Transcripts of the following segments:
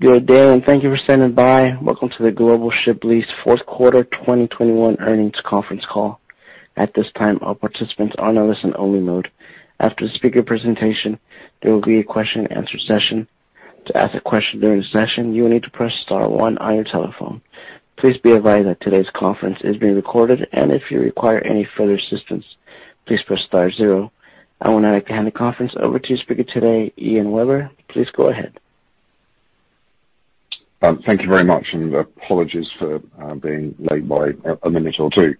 Good day, and thank you for standing by. Welcome to the Global Ship Lease Fourth Quarter 2021 Earnings Conference Call. At this time, all participants are on listen only mode. After the speaker presentation, there will be a question and answer session. To ask a question during the session, you will need to press star one on your telephone. Please be advised that today's conference is being recorded and if you require any further assistance, please press star zero. I want to hand the conference over to speaker today, Ian Webber. Please go ahead. Thank you very much, and apologies for being late by a minute or two.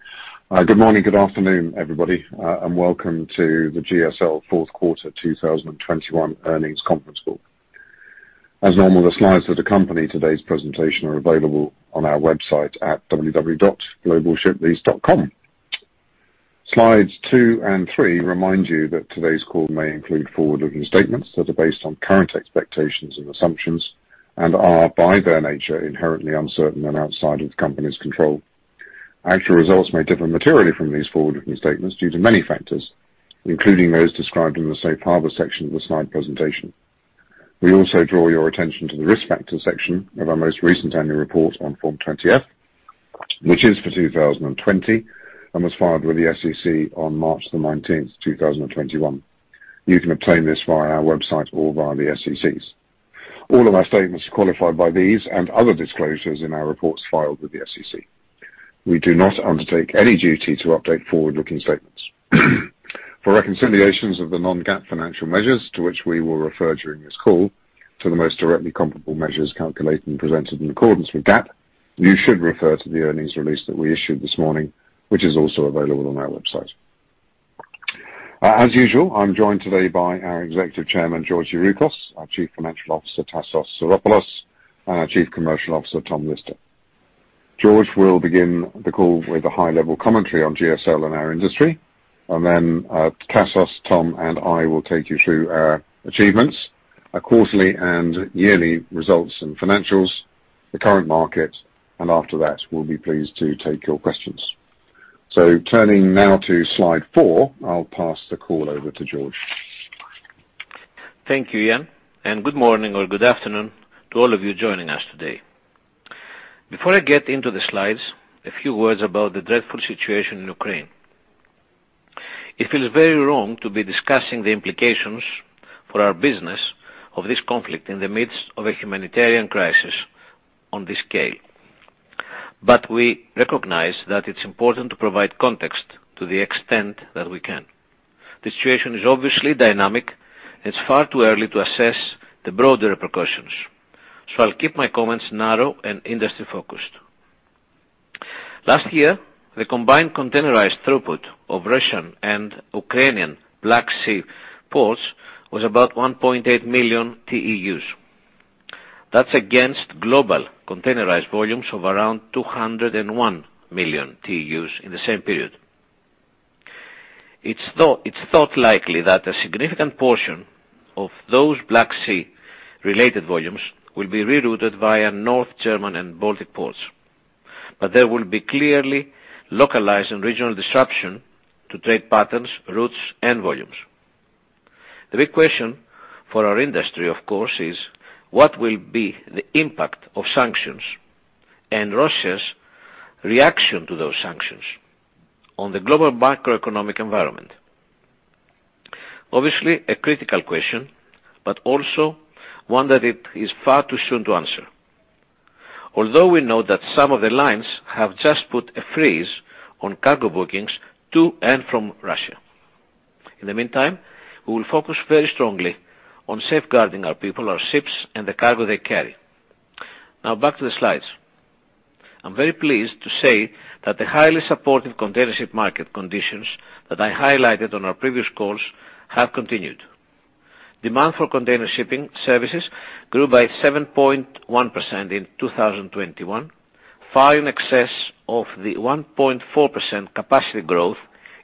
Good morning, good afternoon, everybody, and welcome to the GSL fourth quarter 2021 earnings conference call. As normal, the slides that accompany today's presentation are available on our website at www.globalshiplease.com. Slides two and three remind you that today's call may include forward-looking statements that are based on current expectations and assumptions and are, by their nature, inherently uncertain and outside of the company's control. Actual results may differ materially from these forward-looking statements due to many factors, including those described in the Safe Harbor section of the slide presentation. We also draw your attention to the Risk Factors section of our most recent annual report on Form 20-F, which is for 2020 and was filed with the SEC on March 19, 2021. You can obtain this via our website or via the SEC's. All of our statements are qualified by these and other disclosures in our reports filed with the SEC. We do not undertake any duty to update forward-looking statements. For reconciliations of the non-GAAP financial measures to which we will refer during this call to the most directly comparable measures calculated and presented in accordance with GAAP, you should refer to the earnings release that we issued this morning, which is also available on our website. As usual, I'm joined today by our Executive Chairman, George Youroukos, our Chief Financial Officer, Tassos Psaropoulos, and our Chief Commercial Officer, Tom Lister. George will begin the call with a high-level commentary on GSL and our industry. Tassos, Tom, and I will take you through our achievements, our quarterly and yearly results and financials, the current market, and after that, we'll be pleased to take your questions. Turning now to slide four, I'll pass the call over to George. Thank you, Ian, and good morning or good afternoon to all of you joining us today. Before I get into the slides, a few words about the dreadful situation in Ukraine. It feels very wrong to be discussing the implications for our business of this conflict in the midst of a humanitarian crisis on this scale. We recognize that it's important to provide context to the extent that we can. The situation is obviously dynamic. It's far too early to assess the broader repercussions. I'll keep my comments narrow and industry focused. Last year, the combined containerized throughput of Russian and Ukrainian Black Sea ports was about 1.8 million TEUs. That's against global containerized volumes of around 201 million TEUs in the same period. It's thought likely that a significant portion of those Black Sea related volumes will be rerouted via North German and Baltic ports. There will be clearly localized and regional disruption to trade patterns, routes, and volumes. The big question for our industry, of course, is what will be the impact of sanctions and Russia's reaction to those sanctions on the global macroeconomic environment? Obviously, a critical question, but also one that it is far too soon to answer. Although we know that some of the lines have just put a freeze on cargo bookings to and from Russia. In the meantime, we will focus very strongly on safeguarding our people, our ships, and the cargo they carry. Now back to the slides. I'm very pleased to say that the highly supportive container ship market conditions that I highlighted on our previous calls have continued. Demand for container shipping services grew by 7.1% in 2021, far in excess of the 1.4% capacity growth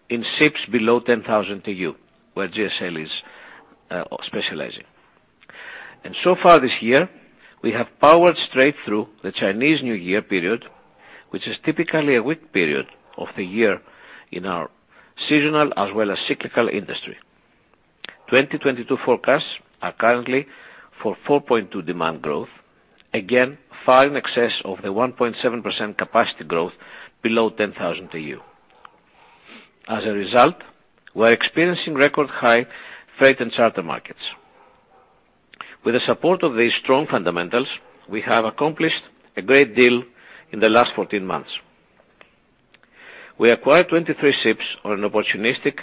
in ships below 10,000 TEU, where GSL is specializing. So far this year, we have powered straight through the Chinese New Year period, which is typically a weak period of the year in our seasonal as well as cyclical industry. 2022 forecasts are currently for 4.2% demand growth. Again, far in excess of the 1.7% capacity growth below 10,000 TEU. As a result, we're experiencing record high freight and charter markets. With the support of these strong fundamentals, we have accomplished a great deal in the last 14 months. We acquired 23 ships on an opportunistic,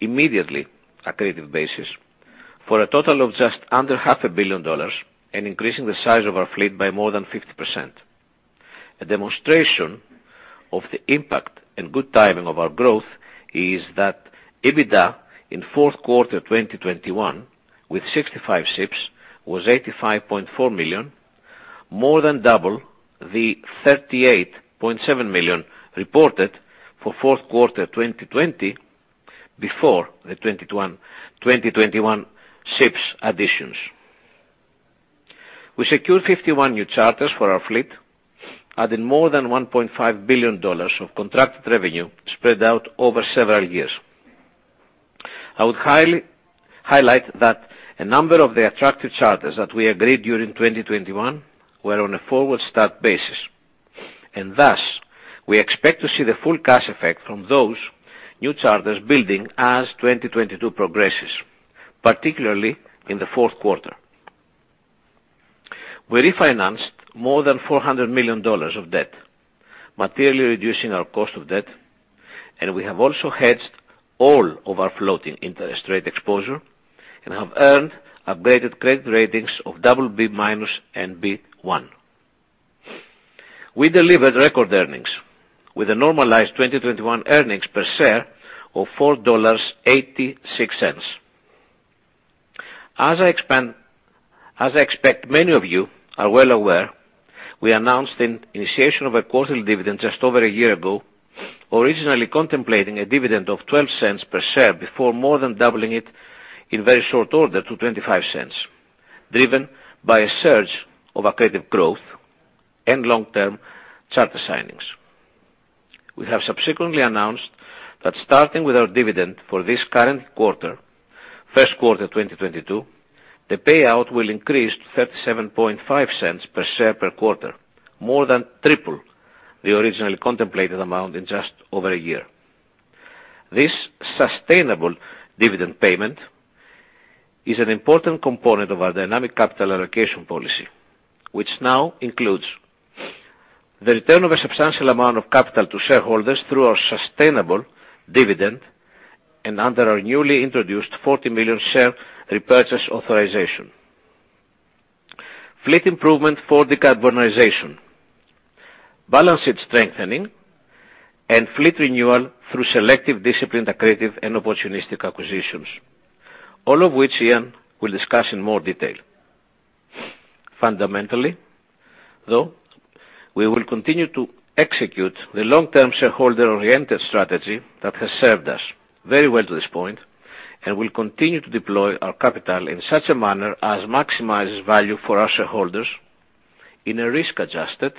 immediately accretive basis for a total of just under half a billion dollars and increasing the size of our fleet by more than 50%. A demonstration of the impact and good timing of our growth is that EBITDA in fourth quarter 2021, with 65 ships, was $85.4 million, more than double the $38.7 million reported for fourth quarter 2020 before the 2022 and 2021 ships additions. We secured 51 new charters for our fleet, adding more than $1.5 billion of contracted revenue spread out over several years. I would highly highlight that a number of the attractive charters that we agreed during 2021 were on a forward start basis, and thus we expect to see the full cash effect from those new charters building as 2022 progresses, particularly in the fourth quarter. We refinanced more than $400 million of debt, materially reducing our cost of debt, and we have also hedged all of our floating interest rate exposure and have earned upgraded credit ratings of BB- and B1. We delivered record earnings with a normalized 2021 EPS of $4.86. As I expect, many of you are well aware, we announced an initiation of a quarterly dividend just over a year ago, originally contemplating a dividend of $0.12 per share before more than doubling it in very short order to $0.25, driven by a surge of accretive growth and long-term charter signings. We have subsequently announced that starting with our dividend for this current quarter, first quarter 2022, the payout will increase to $0.375 per share per quarter, more than triple the originally contemplated amount in just over a year. This sustainable dividend payment is an important component of our dynamic capital allocation policy, which now includes the return of a substantial amount of capital to shareholders through our sustainable dividend and under our newly introduced 40 million shares repurchase authorization. Fleet improvement for decarbonization, balance sheet strengthening, and fleet renewal through selective, disciplined, accretive, and opportunistic acquisitions, all of which Ian will discuss in more detail. Fundamentally, though, we will continue to execute the long-term shareholder-oriented strategy that has served us very well to this point and will continue to deploy our capital in such a manner as maximizes value for our shareholders in a risk-adjusted,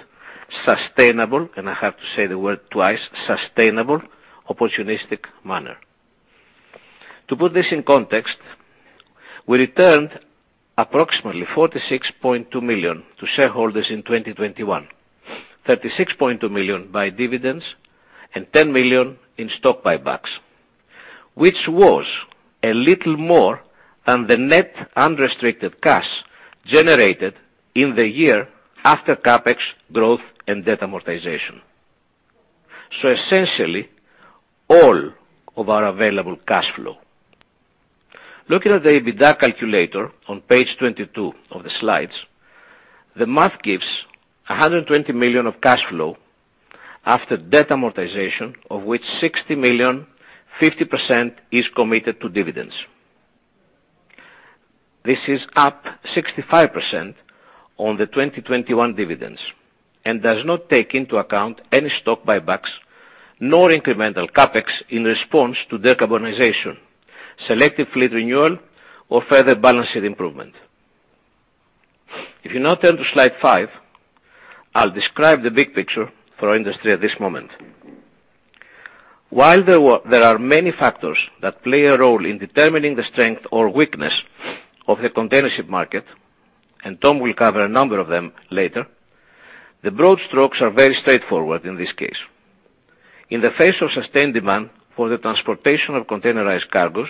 sustainable, and I have to say the word twice, sustainable, opportunistic manner. To put this in context, we returned approximately $46.2 million to shareholders in 2021, $36.2 million by dividends, and $10 million in stock buybacks, which was a little more than the net unrestricted cash generated in the year after CapEx growth and debt amortization. Essentially, all of our available cash flow. Looking at the EBITDA calculator on page 22 of the slides, the math gives $120 million of cash flow after debt amortization, of which $60 million, 50% is committed to dividends. This is up 65% on the 2021 dividends and does not take into account any stock buybacks nor incremental CapEx in response to their decarbonization, selective fleet renewal, or further balance sheet improvement. If you now turn to slide five, I'll describe the big picture for our industry at this moment. While there are many factors that play a role in determining the strength or weakness of the containership market, and Tom will cover a number of them later, the broad strokes are very straightforward in this case. In the face of sustained demand for the transportation of containerized cargos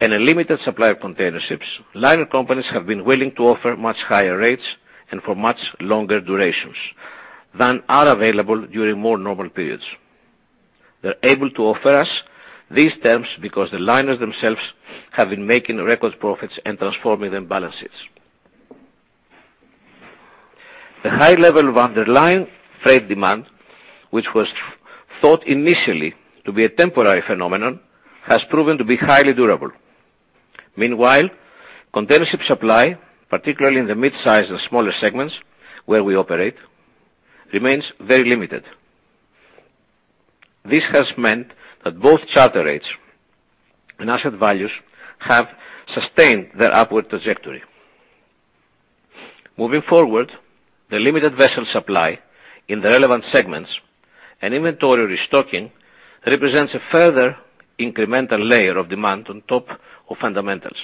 and a limited supply of containerships, liner companies have been willing to offer much higher rates and for much longer durations than are available during more normal periods. They're able to offer us these terms because the liners themselves have been making record profits and transforming their balance sheets. The high level of underlying freight demand, which was thought initially to be a temporary phenomenon, has proven to be highly durable. Meanwhile, containership supply, particularly in the mid-size and smaller segments where we operate, remains very limited. This has meant that both charter rates and asset values have sustained their upward trajectory. Moving forward, the limited vessel supply in the relevant segments and inventory restocking represents a further incremental layer of demand on top of fundamentals.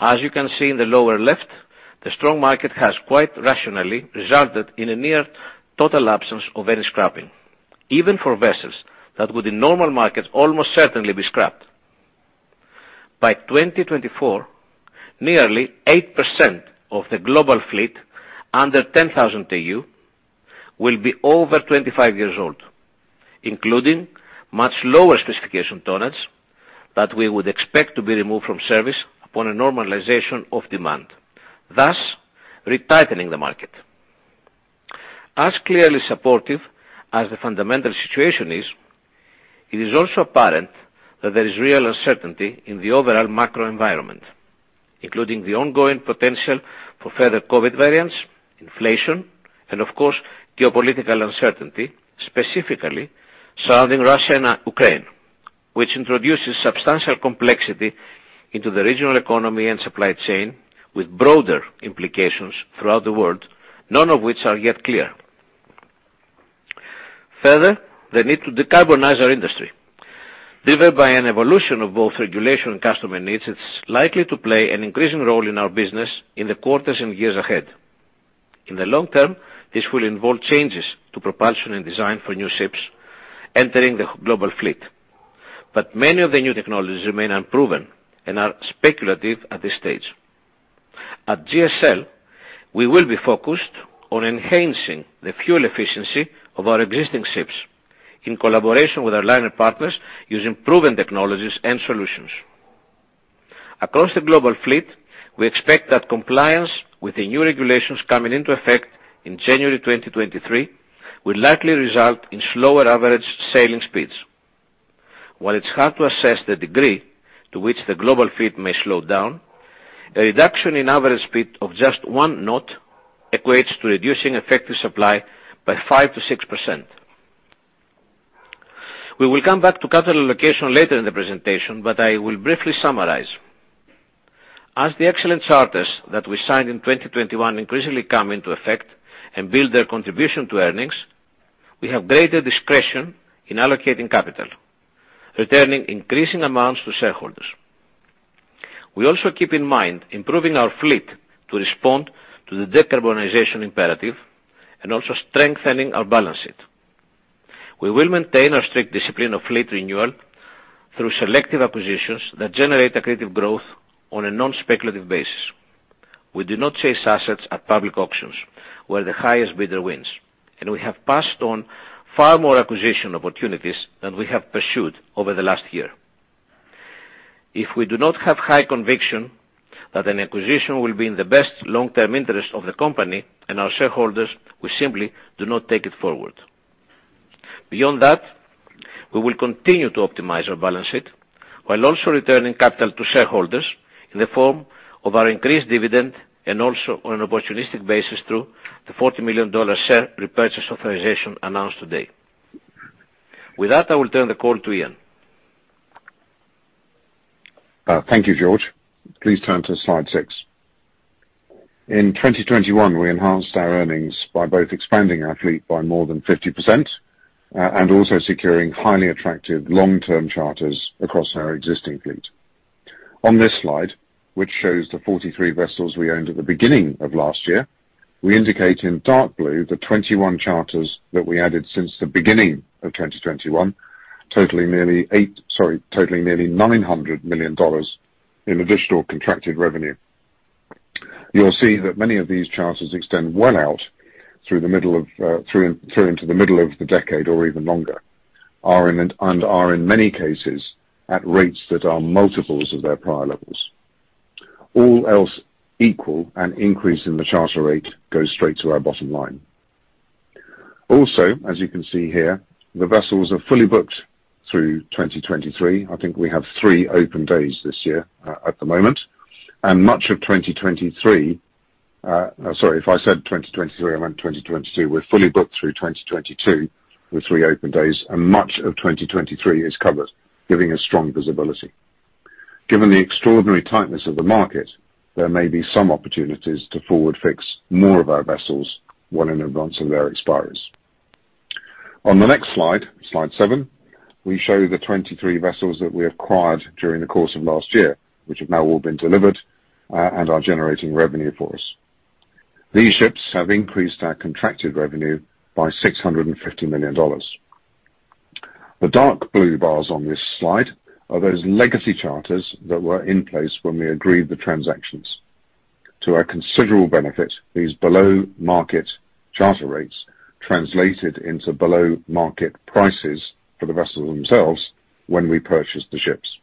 As you can see in the lower left, the strong market has quite rationally resulted in a near total absence of any scrapping, even for vessels that would, in normal markets, almost certainly be scrapped. By 2024, nearly 8% of the global fleet under 10,000 TEU will be over 25 years old, including much lower specification tonnage that we would expect to be removed from service upon a normalization of demand, thus retightening the market. As clearly supportive as the fundamental situation is, it is also apparent that there is real uncertainty in the overall macro environment, including the ongoing potential for further COVID variants, inflation, and of course, geopolitical uncertainty, specifically surrounding Russia and Ukraine, which introduces substantial complexity into the regional economy and supply chain with broader implications throughout the world, none of which are yet clear. Further, the need to decarbonize our industry, driven by an evolution of both regulation and customer needs, is likely to play an increasing role in our business in the quarters and years ahead. In the long term, this will involve changes to propulsion and design for new ships entering the global fleet. Many of the new technologies remain unproven and are speculative at this stage. At GSL, we will be focused on enhancing the fuel efficiency of our existing ships in collaboration with our liner partners, using proven technologies and solutions. Across the global fleet, we expect that compliance with the new regulations coming into effect in January 2023 will likely result in slower average sailing speeds. While it's hard to assess the degree to which the global fleet may slow down, a reduction in average speed of just one knot equates to reducing effective supply by 5%-6%. We will come back to capital allocation later in the presentation, but I will briefly summarize. As the excellent charters that we signed in 2021 increasingly come into effect and build their contribution to earnings, we have greater discretion in allocating capital, returning increasing amounts to shareholders. We also keep in mind improving our fleet to respond to the decarbonization imperative and also strengthening our balance sheet. We will maintain our strict discipline of fleet renewal through selective acquisitions that generate accretive growth on a non-speculative basis. We do not chase assets at public auctions where the highest bidder wins, and we have passed on far more acquisition opportunities than we have pursued over the last year. If we do not have high conviction that an acquisition will be in the best long-term interest of the company and our shareholders, we simply do not take it forward. Beyond that, we will continue to optimize our balance sheet while also returning capital to shareholders in the form of our increased dividend and also on an opportunistic basis through the $40 million share repurchase authorization announced today. With that, I will turn the call to Ian. Thank you, George. Please turn to slide six. In 2021, we enhanced our earnings by both expanding our fleet by more than 50%, and also securing highly attractive long-term charters across our existing fleet. On this slide, which shows the 43 vessels we owned at the beginning of last year, we indicate in dark blue the 21 charters that we added since the beginning of 2021, totaling nearly $900 million in additional contracted revenue. You'll see that many of these charters extend well out through into the middle of the decade or even longer, and are in many cases at rates that are multiples of their prior levels. All else equal, an increase in the charter rate goes straight to our bottom line. Also, as you can see here, the vessels are fully booked through 2023. I think we have three open days this year, at the moment, and much of 2023, sorry. If I said 2023, I meant 2022. We're fully booked through 2022 with three open days, and much of 2023 is covered, giving us strong visibility. Given the extraordinary tightness of the market, there may be some opportunities to forward fix more of our vessels well in advance of their expires. On the next slide seven, we show the 23 vessels that we acquired during the course of last year, which have now all been delivered, and are generating revenue for us. These ships have increased our contracted revenue by $650 million. The dark blue bars on this slide are those legacy charters that were in place when we agreed the transactions. To our considerable benefit, these below-market charter rates translated into below-market prices for the vessels themselves when we purchased the ships.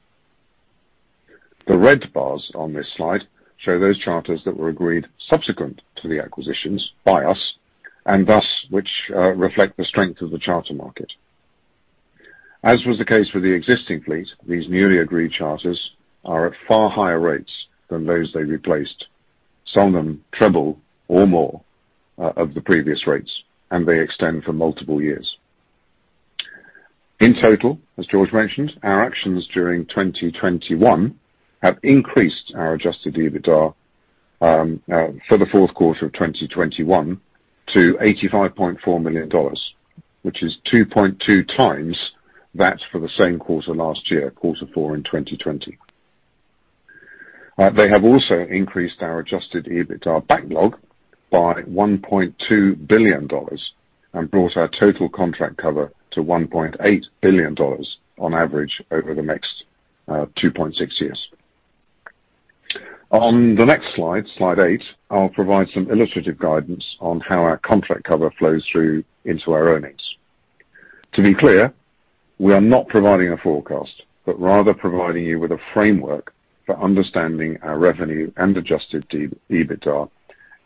The red bars on this slide show those charters that were agreed subsequent to the acquisitions by us and thus which, reflect the strength of the charter market. As was the case with the existing fleet, these newly agreed charters are at far higher rates than those they replaced, some of them triple or more, of the previous rates, and they extend for multiple years. In total, as George mentioned, our actions during 2021 have increased our adjusted EBITDA for the fourth quarter of 2021 to $85.4 million, which is 2.2x that for the same quarter last year, quarter four in 2020. They have also increased our adjusted EBITDA backlog by $1.2 billion and brought our total contract cover to $1.8 billion on average over the next 2.6 years. On the next slide eight, I'll provide some illustrative guidance on how our contract cover flows through into our earnings. To be clear, we are not providing a forecast, but rather providing you with a framework for understanding our revenue and adjusted EBITDA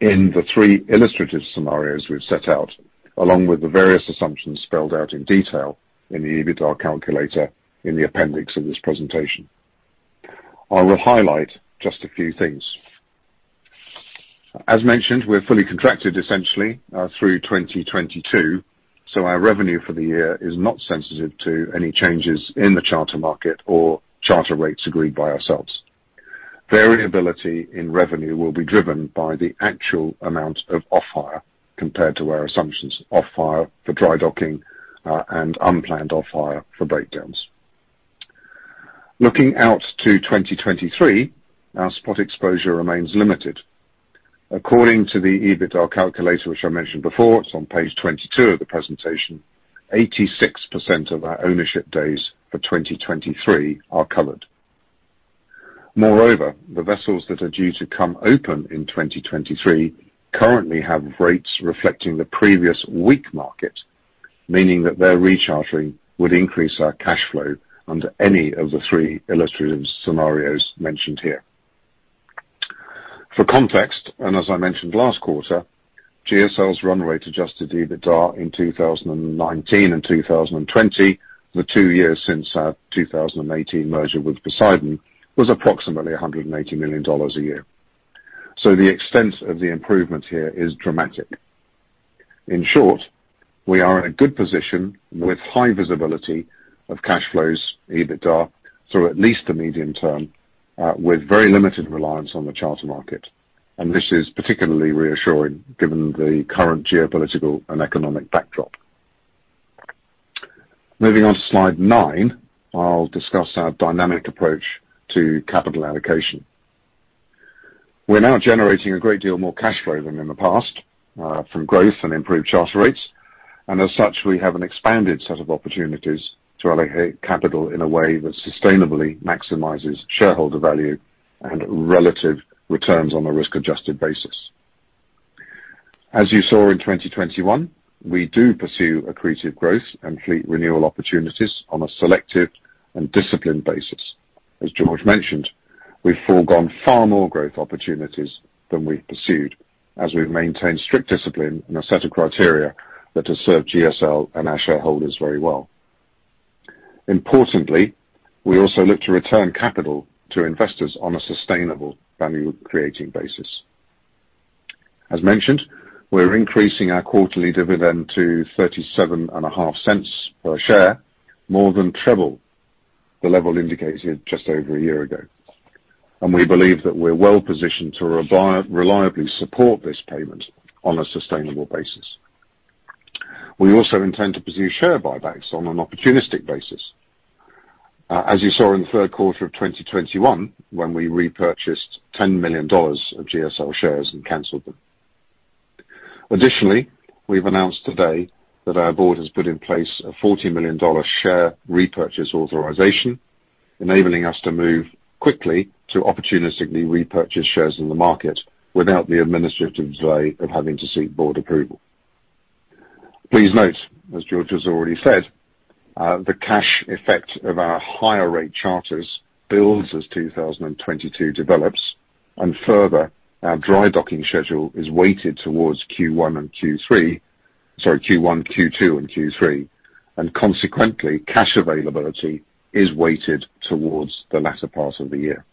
in the three illustrative scenarios we've set out, along with the various assumptions spelled out in detail in the EBITDA calculator in the appendix of this presentation. I will highlight just a few things. As mentioned, we're fully contracted essentially through 2022, so our revenue for the year is not sensitive to any changes in the charter market or charter rates agreed by ourselves. Variability in revenue will be driven by the actual amount of off-hire compared to our assumptions off-hire for dry docking and unplanned off-hire for breakdowns. Looking out to 2023, our spot exposure remains limited. According to the EBITDA calculator, which I mentioned before, it's on page 22 of the presentation, 86% of our ownership days for 2023 are covered. Moreover, the vessels that are due to come open in 2023 currently have rates reflecting the previous weak market, meaning that their rechartering would increase our cash flow under any of the three illustrative scenarios mentioned here. For context, and as I mentioned last quarter, GSL's runway to adjusted EBITDA in 2019 and 2020, the two years since our 2018 merger with Poseidon, was approximately $180 million a year. The extent of the improvement here is dramatic. In short, we are in a good position with high visibility of cash flows, EBITDA, through at least the medium term, with very limited reliance on the charter market, and this is particularly reassuring given the current geopolitical and economic backdrop. Moving on to slide nine, I'll discuss our dynamic approach to capital allocation. We're now generating a great deal more cash flow than in the past, from growth and improved charter rates, and as such, we have an expanded set of opportunities to allocate capital in a way that sustainably maximizes shareholder value and relative returns on a risk-adjusted basis. As you saw in 2021, we do pursue accretive growth and fleet renewal opportunities on a selective and disciplined basis. As George mentioned, we've foregone far more growth opportunities than we've pursued as we've maintained strict discipline and a set of criteria that has served GSL and our shareholders very well. Importantly, we also look to return capital to investors on a sustainable value-creating basis. As mentioned, we're increasing our quarterly dividend to $37.5 per share, more than triple the level indicated just over a year ago. We believe that we're well positioned to reliably support this payment on a sustainable basis. We also intend to pursue share buybacks on an opportunistic basis. As you saw in the third quarter of 2021 when we repurchased $10 million of GSL shares and canceled them. Additionally, we've announced today that our board has put in place a $40 million share repurchase authorization, enabling us to move quickly to opportunistically repurchase shares in the market without the administrative delay of having to seek board approval. Please note, as George has already said, the cash effect of our higher rate charters builds as 2022 develops. Further, our dry-docking schedule is weighted towards Q1, Q2, and Q3, and consequently, cash availability is weighted towards the latter part of the year.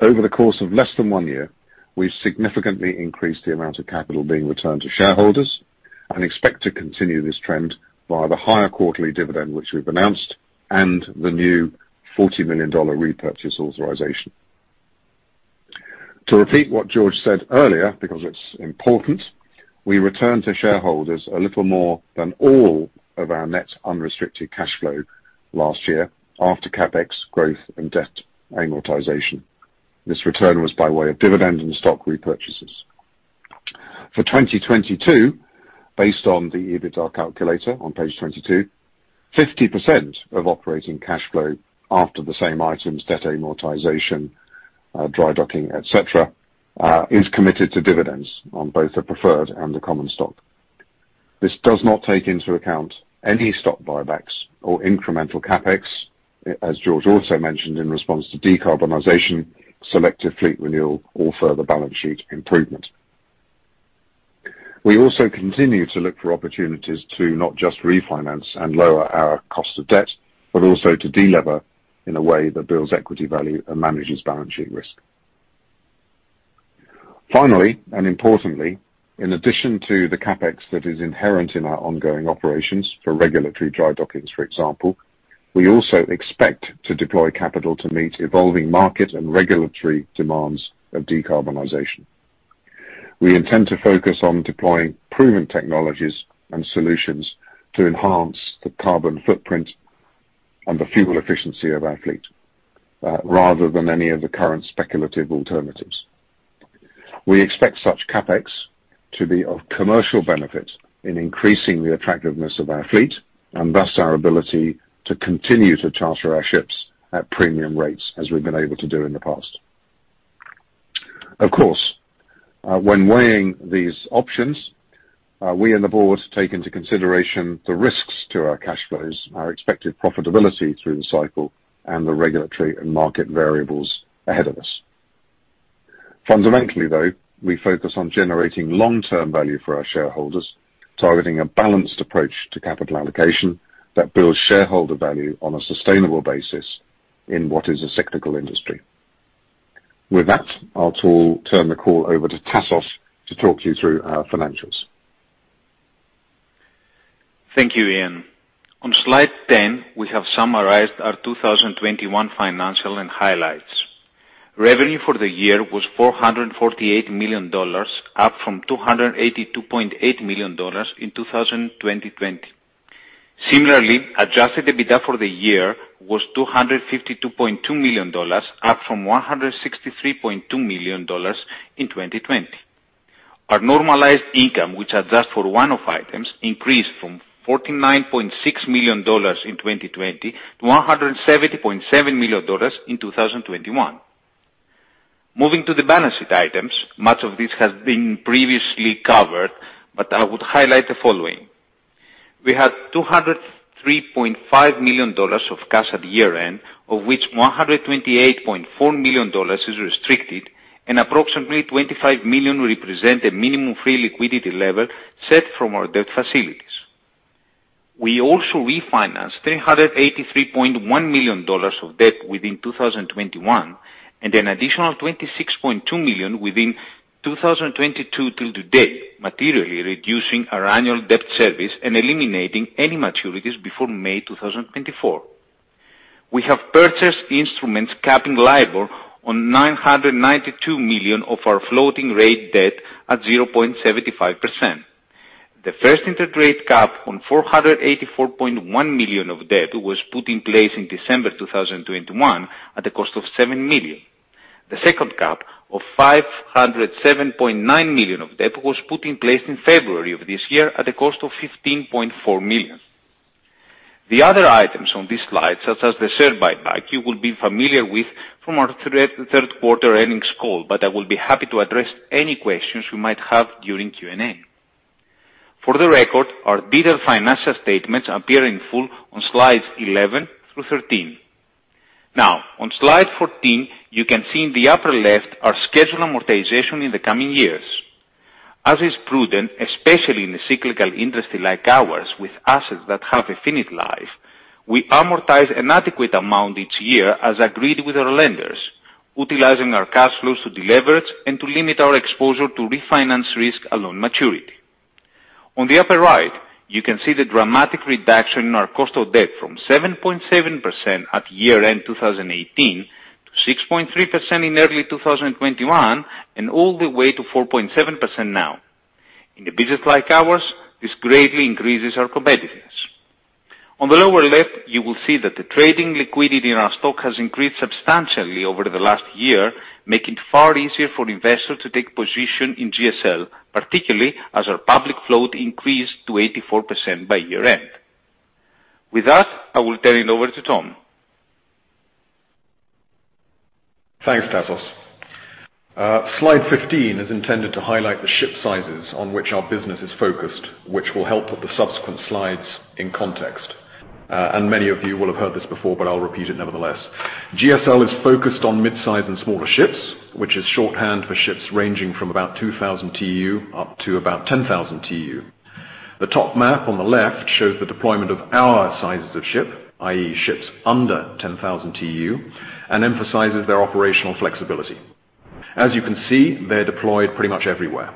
Over the course of less than one year, we've significantly increased the amount of capital being returned to shareholders and expect to continue this trend via the higher quarterly dividend, which we've announced, and the new $40 million repurchase authorization. To repeat what George said earlier because it's important, we return to shareholders a little more than all of our net unrestricted cash flow last year after CapEx growth and debt amortization. This return was by way of dividends and stock repurchases. For 2022, based on the EBITDA calculator on page 22, 50% of operating cash flow after the same items, debt amortization, dry docking, etc., is committed to dividends on both the preferred and the common stock. This does not take into account any stock buybacks or incremental CapEx, as George also mentioned in response to decarbonization, selective fleet renewal or further balance sheet improvement. We also continue to look for opportunities to not just refinance and lower our cost of debt, but also to delever in a way that builds equity value and manages balance sheet risk. Finally, and importantly, in addition to the CapEx that is inherent in our ongoing operations for regulatory dry dockings, for example, we also expect to deploy capital to meet evolving market and regulatory demands of decarbonization. We intend to focus on deploying proven technologies and solutions to enhance the carbon footprint and the fuel efficiency of our fleet, rather than any of the current speculative alternatives. We expect such CapEx to be of commercial benefit in increasing the attractiveness of our fleet and thus our ability to continue to charter our ships at premium rates as we've been able to do in the past. Of course, when weighing these options, we and the board take into consideration the risks to our cash flows, our expected profitability through the cycle, and the regulatory and market variables ahead of us. Fundamentally, though, we focus on generating long-term value for our shareholders, targeting a balanced approach to capital allocation that builds shareholder value on a sustainable basis in what is a cyclical industry. With that, I'll turn the call over to Tassos to talk you through our financials. Thank you, Ian. On slide 10, we have summarized our 2021 financial highlights. Revenue for the year was $448 million, up from $282.8 million in 2020. Similarly, adjusted EBITDA for the year was $252.2 million, up from $163.2 million in 2020. Our normalized income, which adjusted for one-off items, increased from $49.6 million in 2020 to $170.7 million in 2021. Moving to the balance sheet items, much of this has been previously covered, but I would highlight the following. We had $203.5 million of cash at year-end, of which $128.4 million is restricted and approximately $25 million represent a minimum free liquidity level set from our debt facilities. We also refinanced $383.1 million of debt within 2021, and an additional $26.2 million within 2022 to date, materially reducing our annual debt service and eliminating any maturities before May 2024. We have purchased instruments capping LIBOR on $992 million of our floating rate debt at 0.75%. The first interest rate cap on $484.1 million of debt was put in place in December 2021 at a cost of $7 million. The second cap of $507.9 million of debt was put in place in February of this year at a cost of $15.4 million. The other items on this slide, such as the share buyback, you will be familiar with from our third quarter earnings call, but I will be happy to address any questions you might have during Q&A. For the record, our detailed financial statements appear in full on slides 11 through 13. Now, on slide 14, you can see in the upper left our scheduled amortization in the coming years. As is prudent, especially in a cyclical industry like ours with assets that have a finite life, we amortize an adequate amount each year as agreed with our lenders, utilizing our cash flows to deleverage and to limit our exposure to refinance risk at loan maturity. On the upper right, you can see the dramatic reduction in our cost of debt from 7.7% at year-end 2018 to 6.3% in early 2021, and all the way to 4.7% now. In a business like ours, this greatly increases our competitiveness. On the lower left, you will see that the trading liquidity in our stock has increased substantially over the last year, making it far easier for investors to take position in GSL, particularly as our public float increased to 84% by year-end. With that, I will turn it over to Tom. Thanks, Tassos. Slide 15 is intended to highlight the ship sizes on which our business is focused, which will help with the subsequent slides in context. Many of you will have heard this before, but I'll repeat it nevertheless. GSL is focused on mid-size and smaller ships, which is shorthand for ships ranging from about 2,000 TEU up to about 10,000 TEU. The top map on the left shows the deployment of our sizes of ship, i.e., ships under 10,000 TEU, and emphasizes their operational flexibility. As you can see, they're deployed pretty much everywhere.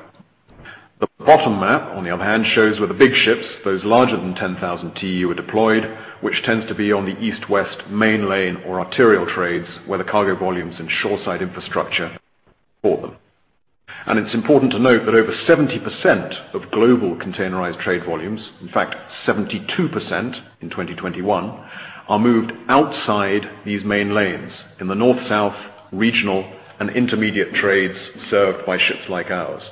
The bottom map, on the other hand, shows where the big ships, those larger than 10,000 TEU, are deployed, which tends to be on the east-west main lane or arterial trades where the cargo volumes and shoreside infrastructure support them. It's important to note that over 70% of global containerized trade volumes, in fact, 72% in 2021, are moved outside these main lanes in the north-south regional and intermediate trades served by ships like ours.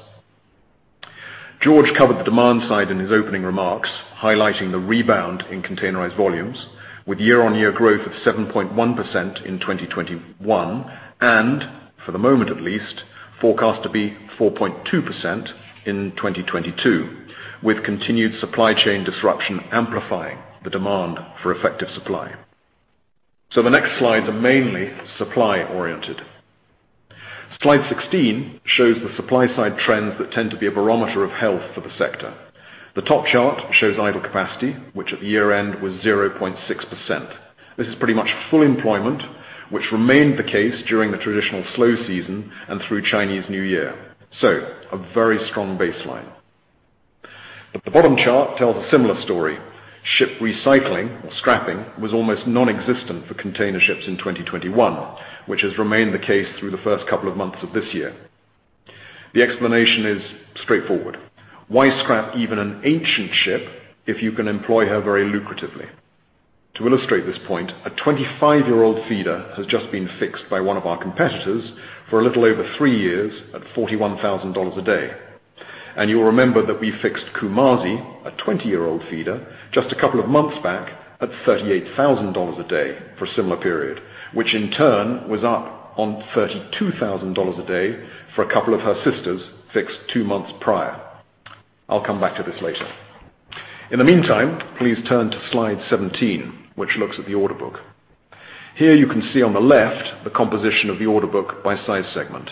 George covered the demand side in his opening remarks, highlighting the rebound in containerized volumes with year-on-year growth of 7.1% in 2021, and for the moment at least, forecast to be 4.2% in 2022, with continued supply chain disruption amplifying the demand for effective supply. The next slide is mainly supply oriented. Slide 16 shows the supply-side trends that tend to be a barometer of health for the sector. The top chart shows idle capacity, which at the year-end was 0.6%. This is pretty much full employment, which remained the case during the traditional slow season and through Chinese New Year. A very strong baseline. The bottom chart tells a similar story. Ship recycling or scrapping was almost non-existent for container ships in 2021, which has remained the case through the first couple of months of this year. The explanation is straightforward. Why scrap even an ancient ship if you can employ her very lucratively? To illustrate this point, a 25-year-old feeder has just been fixed by one of our competitors for a little over three years at $41,000 a day. You'll remember that we fixed Kumasi, a 20-year-old feeder, just a couple of months back at $38,000 a day for a similar period, which in turn was up on $32,000 a day for a couple of her sisters fixed two months prior. I'll come back to this later. In the meantime, please turn to slide 17, which looks at the order book. Here you can see on the left the composition of the order book by size segment.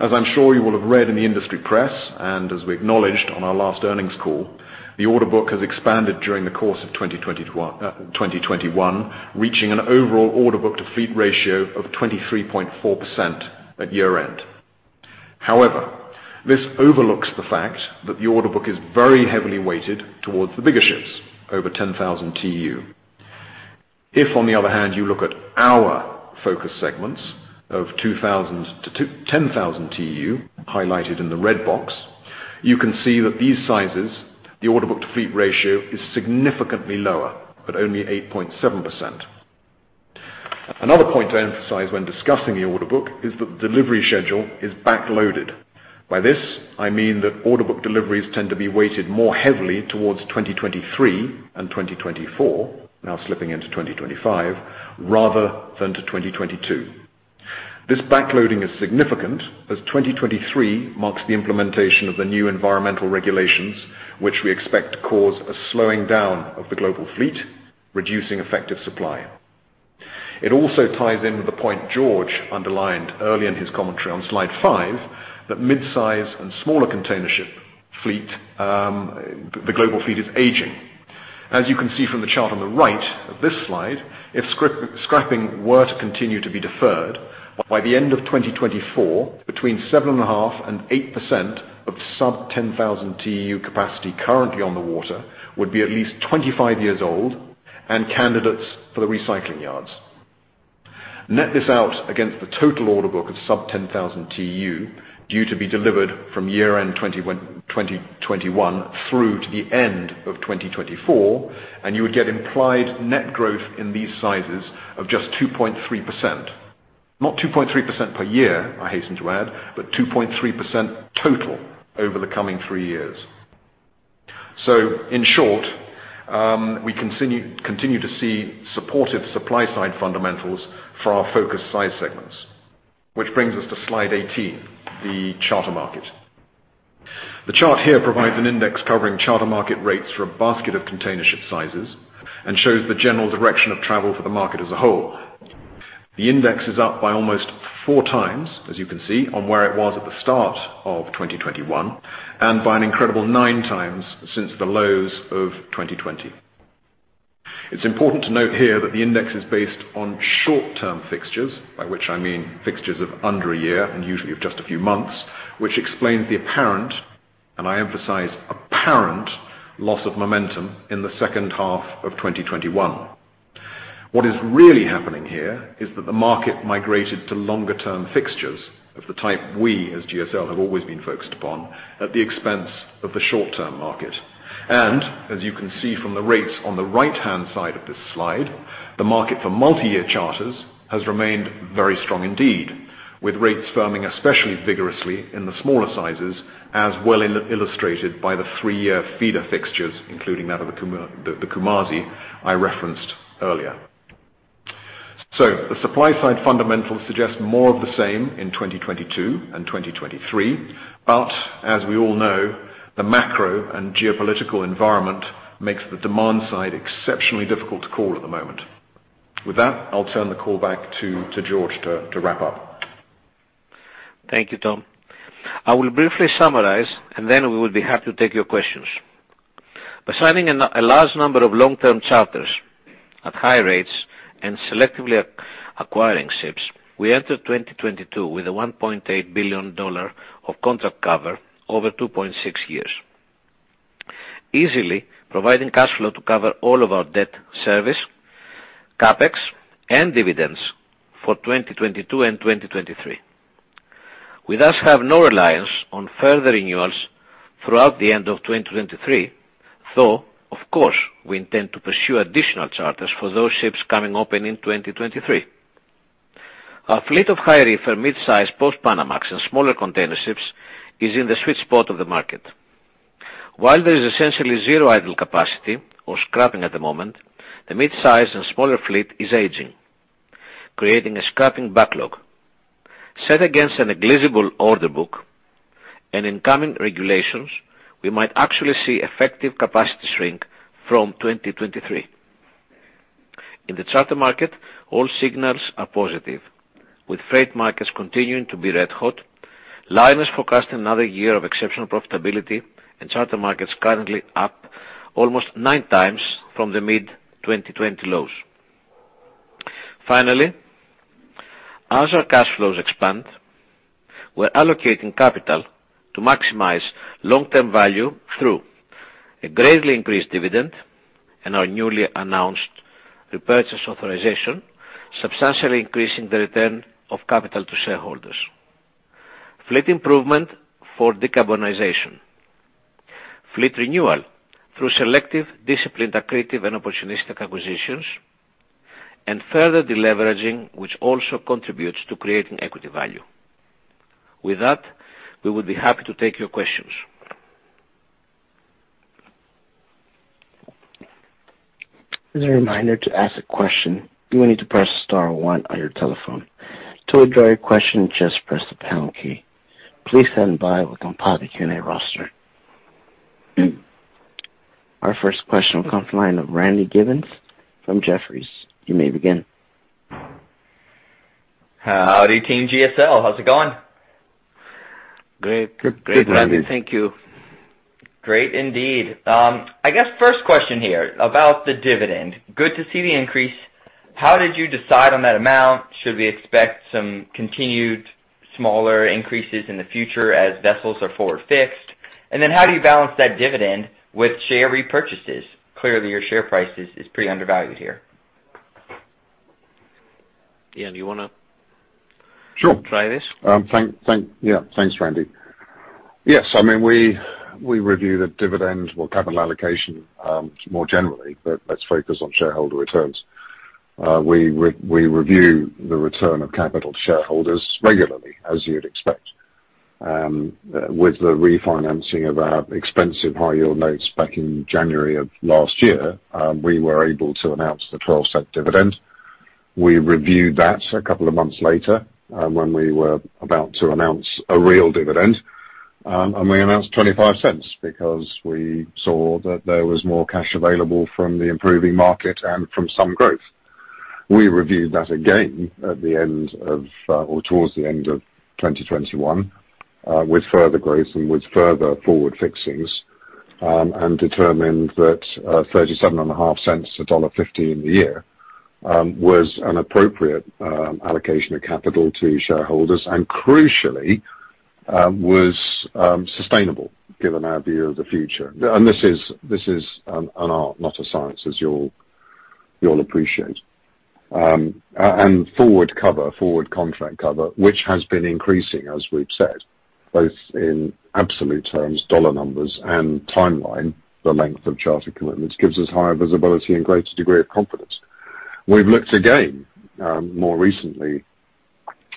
As I'm sure you will have read in the industry press, and as we acknowledged on our last earnings call, the order book has expanded during the course of 2021, reaching an overall order book to fleet ratio of 23.4% at year-end. However, this overlooks the fact that the order book is very heavily weighted towards the bigger ships over 10,000 TEU. If, on the other hand, you look at our focus segments of 2,000-10,000 TEU highlighted in the red box, you can see that these sizes, the order book to fleet ratio is significantly lower at only 8.7%. Another point to emphasize when discussing the order book is that the delivery schedule is backloaded. By this, I mean that order book deliveries tend to be weighted more heavily towards 2023 and 2024, now slipping into 2025, rather than to 2022. This backloading is significant as 2023 marks the implementation of the new environmental regulations, which we expect to cause a slowing down of the global fleet, reducing effective supply. It also ties in with the point George underlined early in his commentary on slide five that mid-size and smaller container ship fleet, the global fleet is aging. As you can see from the chart on the right of this slide, if scrapping were to continue to be deferred, by the end of 2024, between 7.5% and 8% of sub-10,000 TEU capacity currently on the water would be at least 25 years old and candidates for the recycling yards. Net this out against the total order book of sub-10,000 TEU due to be delivered from year-end 2021 through to the end of 2024, and you would get implied net growth in these sizes of just 2.3%. Not 2.3% per year, I hasten to add, but 2.3% total over the coming three years. In short, we continue to see supportive supply side fundamentals for our focus size segments. Which brings us to slide 18, the charter market. The chart here provides an index covering charter market rates for a basket of container ship sizes and shows the general direction of travel for the market as a whole. The index is up by almost 4x, as you can see, on where it was at the start of 2021 and by an incredible 9x since the lows of 2020. It's important to note here that the index is based on short-term fixtures, by which I mean fixtures of under a year and usually of just a few months, which explains the apparent, and I emphasize apparent, loss of momentum in the second half of 2021. What is really happening here is that the market migrated to longer term fixtures of the type we as GSL have always been focused upon at the expense of the short-term market. As you can see from the rates on the right-hand side of this slide, the market for multi-year charters has remained very strong indeed, with rates firming especially vigorously in the smaller sizes as well, illustrated by the three-year feeder fixtures, including that of the Kumasi I referenced earlier. The supply side fundamentals suggest more of the same in 2022 and 2023. As we all know, the macro and geopolitical environment makes the demand side exceptionally difficult to call at the moment. With that, I'll turn the call back to George to wrap up. Thank you, Tom. I will briefly summarize, and then we will be happy to take your questions. By signing a large number of long-term charters at high rates and selectively acquiring ships, we enter 2022 with a $1.8 billion of contract cover over 2.6 years, easily providing cash flow to cover all of our debt service, CapEx, and dividends for 2022 and 2023. We thus have no reliance on further renewals throughout the end of 2023, though of course we intend to pursue additional charters for those ships coming open in 2023. Our fleet of high reefer mid-size post-Panamax and smaller container ships is in the sweet spot of the market. While there is essentially zero idle capacity or scrapping at the moment, the mid-size and smaller fleet is aging, creating a scrapping backlog. Set against a negligible order book and incoming regulations, we might actually see effective capacity shrink from 2023. In the charter market, all signals are positive. With freight markets continuing to be red hot, liners forecasting another year of exceptional profitability and charter markets currently up almost 9x from the mid-2020 lows. Finally, as our cash flows expand, we're allocating capital to maximize long-term value through a greatly increased dividend and our newly announced repurchase authorization, substantially increasing the return of capital to shareholders. Fleet improvement for decarbonization. Fleet renewal through selective, disciplined, accretive, and opportunistic acquisitions. Further deleveraging, which also contributes to creating equity value. With that, we would be happy to take your questions. As a reminder, to ask a question, you will need to press star one on your telephone. To withdraw your question, just press the pound key. Please stand by while we compile the Q&A roster. Our first question will come from the line of Randy Giveans from Jefferies. You may begin. Howdy, team GSL. How's it going? Great. Good. Great, Randy. Thank you. Great indeed. I guess first question here about the dividend. Good to see the increase. How did you decide on that amount? Should we expect some continued smaller increases in the future as vessels are forward-fixed? How do you balance that dividend with share repurchases? Clearly, your share price is pretty undervalued here. Ian, do you wanna? Sure. -try this? Thanks, Randy. Yes. I mean, we review the dividend or capital allocation more generally, but let's focus on shareholder returns. We review the return of capital to shareholders regularly, as you'd expect. With the refinancing of our expensive high-yield notes back in January of last year, we were able to announce the $0.12 dividend. We reviewed that a couple of months later, when we were about to announce a real dividend. We announced $0.25 because we saw that there was more cash available from the improving market and from some growth. We reviewed that again at the end of or towards the end of 2021 with further growth and with further forward fixings and determined that $0.375, $1.50 in the year was an appropriate allocation of capital to shareholders and crucially was sustainable given our view of the future. This is an art, not a science, as you'll appreciate. Forward cover, forward contract cover, which has been increasing, as we've said, both in absolute terms, dollar numbers and timeline, the length of charter commitments, gives us higher visibility and greater degree of confidence. We've looked again more recently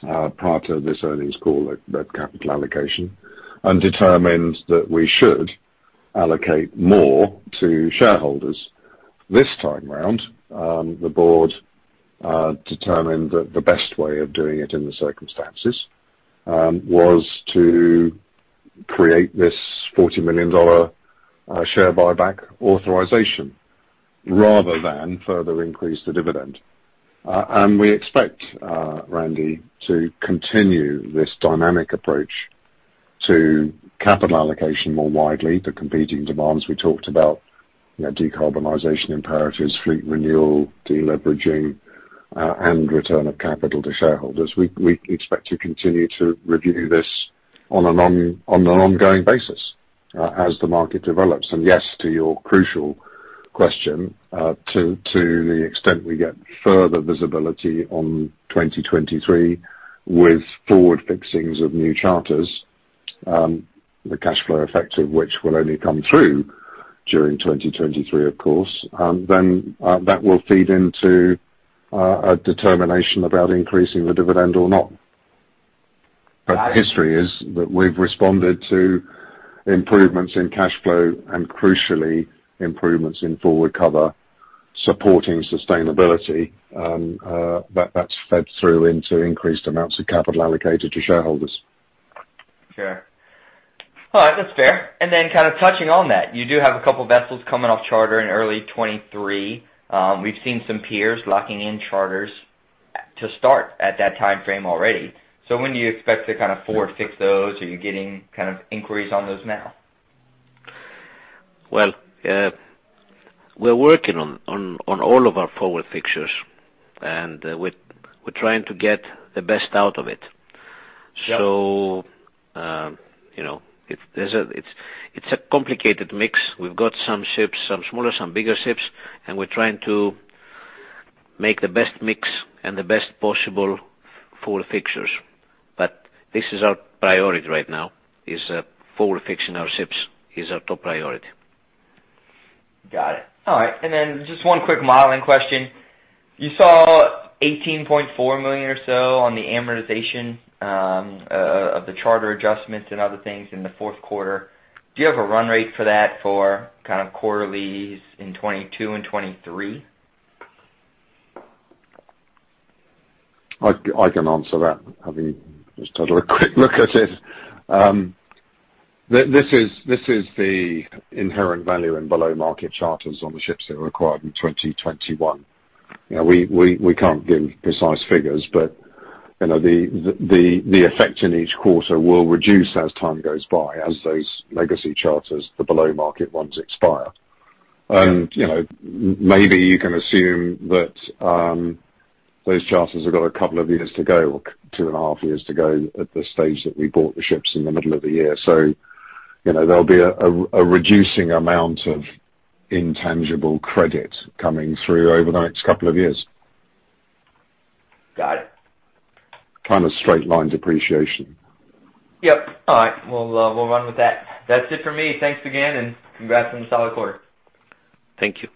prior to this earnings call at capital allocation and determined that we should allocate more to shareholders. This time around, the board determined that the best way of doing it in the circumstances was to create this $40 million share buyback authorization rather than further increase the dividend. We expect, Randy, to continue this dynamic approach to capital allocation more widely to competing demands. We talked about, you know, decarbonization imperatives, fleet renewal, de-leveraging, and return of capital to shareholders. We expect to continue to review this on an ongoing basis as the market develops. Yes, to your crucial question, to the extent we get further visibility on 2023 with forward fixings of new charters, the cash flow effect of which will only come through during 2023, of course, then that will feed into a determination about increasing the dividend or not. History is that we've responded to improvements in cash flow and crucially improvements in forward cover, supporting sustainability, that's fed through into increased amounts of capital allocated to shareholders. Sure. All right. That's fair. Kind of touching on that, you do have a couple of vessels coming off charter in early 2023. We've seen some peers locking in charters to start at that timeframe already. When do you expect to kind of forward-fix those? Are you getting kind of inquiries on those now? Well, we're working on all of our forward fixtures and we're trying to get the best out of it. Yeah. You know, it's a complicated mix. We've got some ships, some smaller, some bigger ships, and we're trying to make the best mix and the best possible forward fixtures. This is our priority right now, forward-fixing our ships is our top priority. Got it. All right. Just one quick modeling question. You saw $18.4 million or so on the amortization of the charter adjustments and other things in the fourth quarter. Do you have a run rate for that for kind of quarterlies in 2022 and 2023? I can answer that, having just had a quick look at it. This is the inherent value in below-market charters on the ships that were acquired in 2021. You know, we can't give precise figures, but, you know, the effect in each quarter will reduce as time goes by, as those legacy charters, the below-market ones expire. You know, maybe you can assume that those charters have got a couple of years to go, or 2.5 years to go at the stage that we bought the ships in the middle of the year. You know, there'll be a reducing amount of intangible credit coming through over the next couple of years. Got it. Kind of straight line depreciation. Yep. All right. We'll run with that. That's it for me. Thanks again and congrats on a solid quarter. Thank you.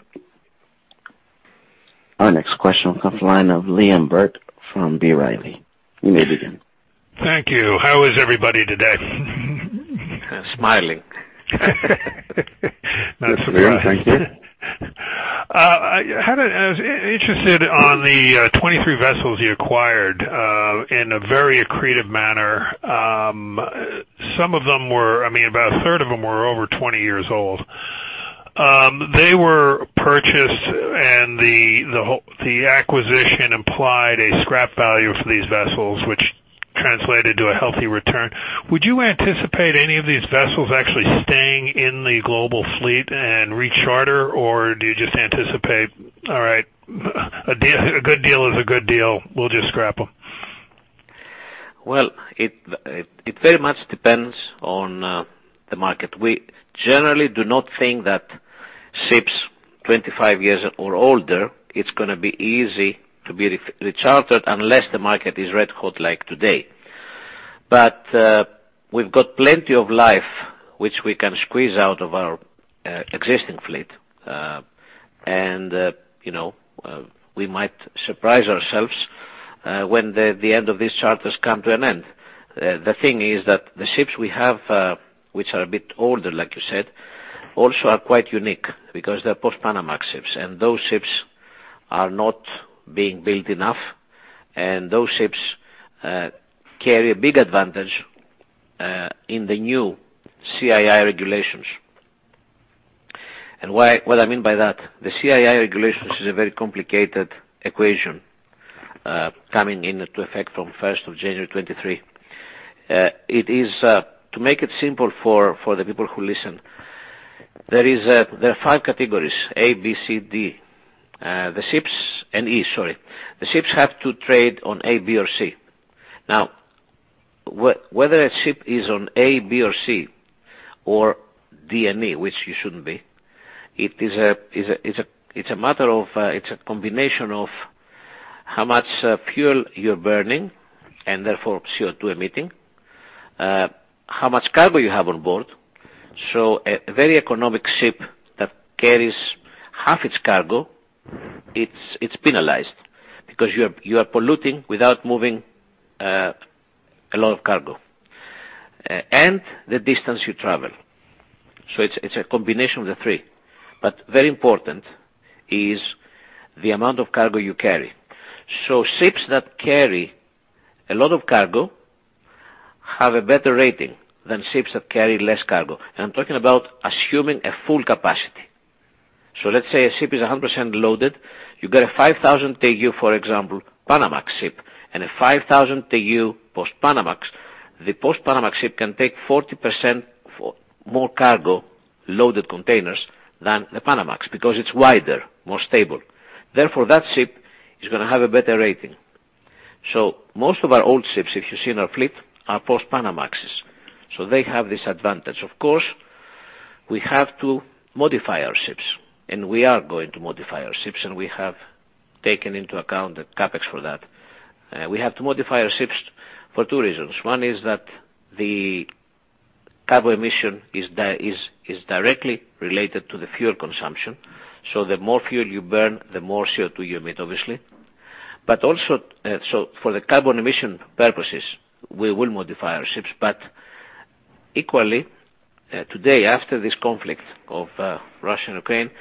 Our next question comes from the line of Liam Burke from B. Riley. You may begin. Thank you. How is everybody today? Smiling. Not surprised. Thank you. I was interested in the 23 vessels you acquired in a very accretive manner. Some of them were, I mean, about a third of them were over 20 years old. They were purchased and the acquisition implied a scrap value for these vessels, which translated to a healthy return. Would you anticipate any of these vessels actually staying in the global fleet and recharter? Or do you just anticipate, all right, a good deal is a good deal, we'll just scrap them? Well, it very much depends on the market. We generally do not think that ships 25 years or older, it's gonna be easy to be rechartered unless the market is red-hot like today. We've got plenty of life which we can squeeze out of our existing fleet. You know, we might surprise ourselves when the end of these charters come to an end. The thing is that the ships we have which are a bit older, like you said, also are quite unique because they're post-Panamax ships, and those ships are not being built enough, and those ships carry a big advantage in the new CII regulations. What I mean by that, the CII regulations is a very complicated equation coming into effect on first of January 2023. It is to make it simple for the people who listen, there are five categories A, B, C, D and E. The ships have to trade on A, B, or C. Now, whether a ship is on A, B or C or D and E, which you shouldn't be, it is a matter of, it is a combination of how much fuel you're burning, and therefore CO2 emitting, how much cargo you have on board. A very economic ship that carries half its cargo, it is penalized because you are polluting without moving a lot of cargo and the distance you travel. It is a combination of the three. But very important is the amount of cargo you carry. Ships that carry a lot of cargo have a better rating than ships that carry less cargo. I'm talking about assuming a full capacity. Let's say a ship is 100% loaded. You've got a 5,000 TEU, for example, Panamax ship and a 5,000 TEU post-Panamax. The post-Panamax ship can take 40% or more cargo loaded containers than the Panamax because it's wider, more stable. Therefore, that ship is gonna have a better rating. Most of our old ships, if you see in our fleet, are post-Panamaxes. They have this advantage. Of course, we have to modify our ships, and we are going to modify our ships, and we have taken into account the CapEx for that. We have to modify our ships for two reasons. One is that the carbon emission is directly related to the fuel consumption. The more fuel you burn, the more CO2 you emit, obviously. For the carbon emission purposes, we will modify our ships. Equally, today, after this conflict of Russia and Ukraine,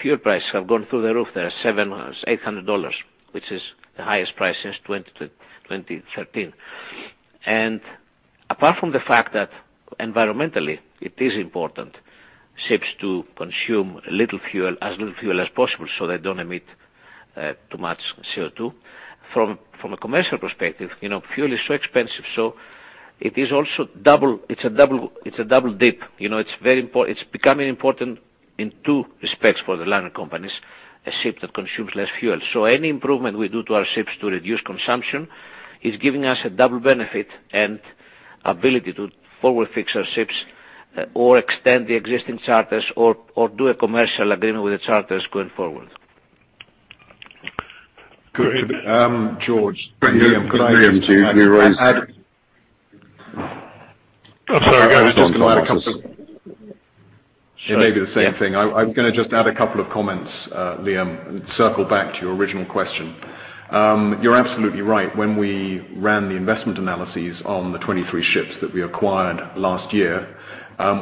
fuel prices have gone through the roof. They are $700-$800, which is the highest price since 2012 to 2013. Apart from the fact that environmentally it is important ships to consume little fuel, as little fuel as possible, so they don't emit too much CO2, from a commercial perspective, you know, fuel is so expensive, so it is also double dip. You know, it's becoming important in two respects for the liner companies, a ship that consumes less fuel. Any improvement we do to our ships to reduce consumption is giving us a double benefit and ability to forward fix our ships or extend the existing charters or do a commercial agreement with the charters going forward. Good. George. Liam, can I just add Oh, sorry, go ahead. It may be the same thing. I'm gonna just add a couple of comments, Liam, and circle back to your original question. You're absolutely right. When we ran the investment analyses on the 23 ships that we acquired last year,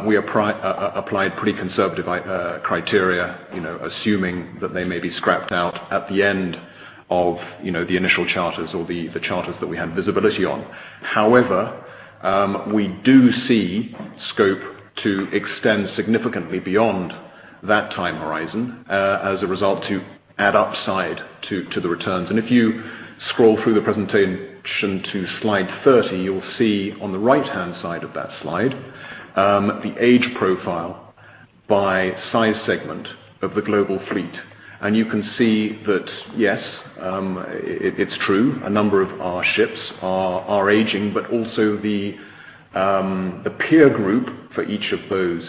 we applied pretty conservative criteria, you know, assuming that they may be scrapped out at the end of, you know, the initial charters or the charters that we had visibility on. However, we do see scope to extend significantly beyond that time horizon, as a result to add upside to the returns. If you scroll through the presentation to slide 30, you'll see on the right-hand side of that slide, the age profile by size segment of the global fleet. You can see that, yes, it's true, a number of our ships are aging, but also the peer group for each of those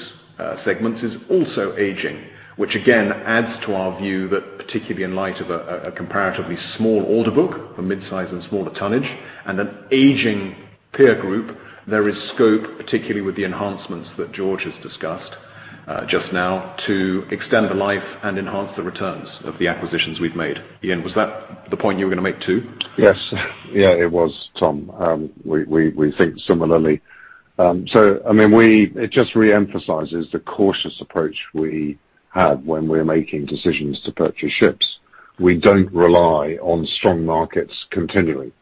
segments is also aging, which again adds to our view that particularly in light of a comparatively small order book for mid-size and smaller tonnage and an aging peer group, there is scope, particularly with the enhancements that George has discussed just now, to extend the life and enhance the returns of the acquisitions we've made. Ian, was that the point you were gonna make, too? Yes. Yeah, it was, Tom. We think similarly. I mean, it just reemphasizes the cautious approach we have when we're making decisions to purchase ships. We don't rely on strong markets continually.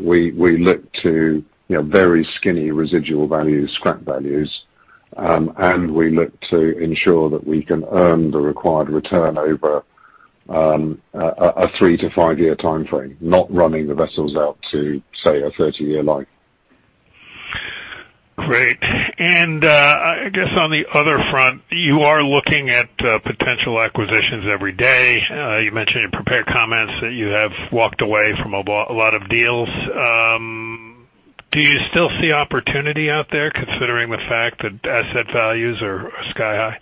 We look to, you know, very skinny residual values, scrap values. We look to ensure that we can earn the required return over a three to five year timeframe, not running the vessels out to, say, a 30-year life. Great. I guess on the other front, you are looking at potential acquisitions every day. You mentioned in prepared comments that you have walked away from a lot of deals. Do you still see opportunity out there considering the fact that asset values are sky-high?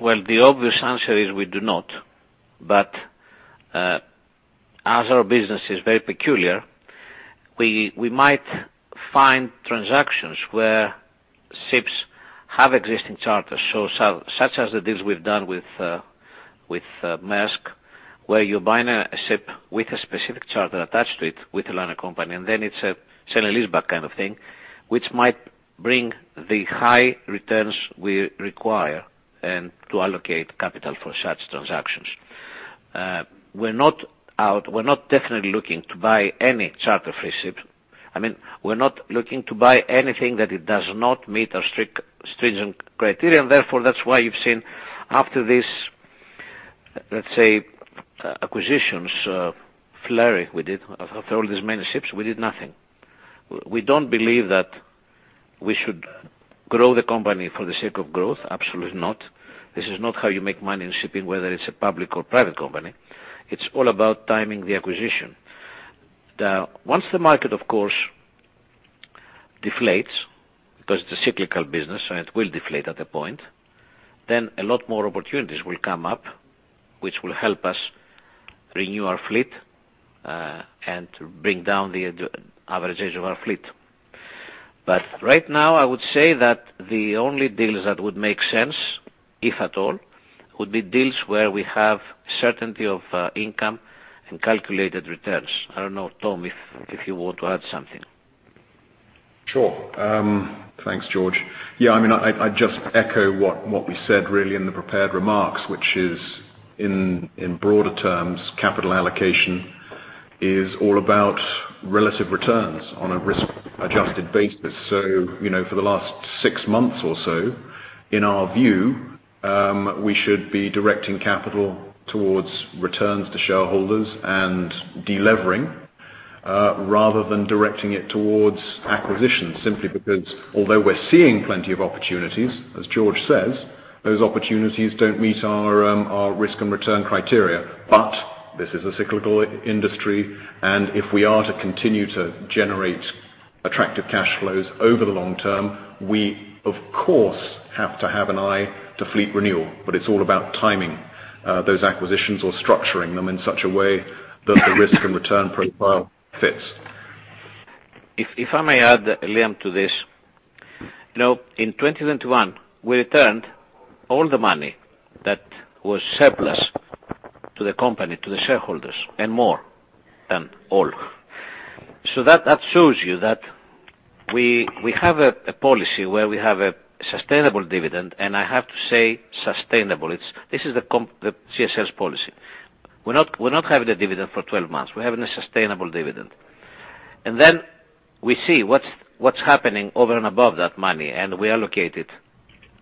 Well, the obvious answer is we do not. As our business is very peculiar, we might find transactions where ships have existing charters. Such as the deals we've done with Maersk, where you're buying a ship with a specific charter attached to it with a liner company, and then it's a sale and leaseback kind of thing, which might bring the high returns we require, and to allocate capital for such transactions. We're not out. We're definitely not looking to buy any charter-free ship. I mean, we're not looking to buy anything that it does not meet our strict, stringent criteria. Therefore, that's why you've seen after this, let's say, acquisitions flurry we did. After all these many ships, we did nothing. We don't believe that we should grow the company for the sake of growth. Absolutely not. This is not how you make money in shipping, whether it's a public or private company. It's all about timing the acquisition. Once the market, of course, deflates, because it's a cyclical business, and it will deflate at a point, then a lot more opportunities will come up, which will help us renew our fleet, and bring down the average age of our fleet. But right now, I would say that the only deals that would make sense, if at all, would be deals where we have certainty of income and calculated returns. I don't know, Tom, if you want to add something. Sure. Thanks, George. Yeah, I mean, I just echo what we said really in the prepared remarks, which is in broader terms, capital allocation is all about relative returns on a risk adjusted basis. You know, for the last six months or so, in our view, we should be directing capital towards returns to shareholders and delevering, rather than directing it towards acquisitions, simply because although we're seeing plenty of opportunities, as George says, those opportunities don't meet our our risk and return criteria. This is a cyclical industry, and if we are to continue to generate attractive cash flows over the long term, we of course have to have an eye to fleet renewal. It's all about timing those acquisitions or structuring them in such a way that the risk and return profile fits. If I may add, Liam, to this. You know, in 2021, we returned all the money that was surplus to the company, to the shareholders, and more than all. That shows you that we have a policy where we have a sustainable dividend, and I have to say sustainable. It's the CSS policy. We're not having a dividend for 12 months. We're having a sustainable dividend. Then we see what's happening over and above that money, and we allocate it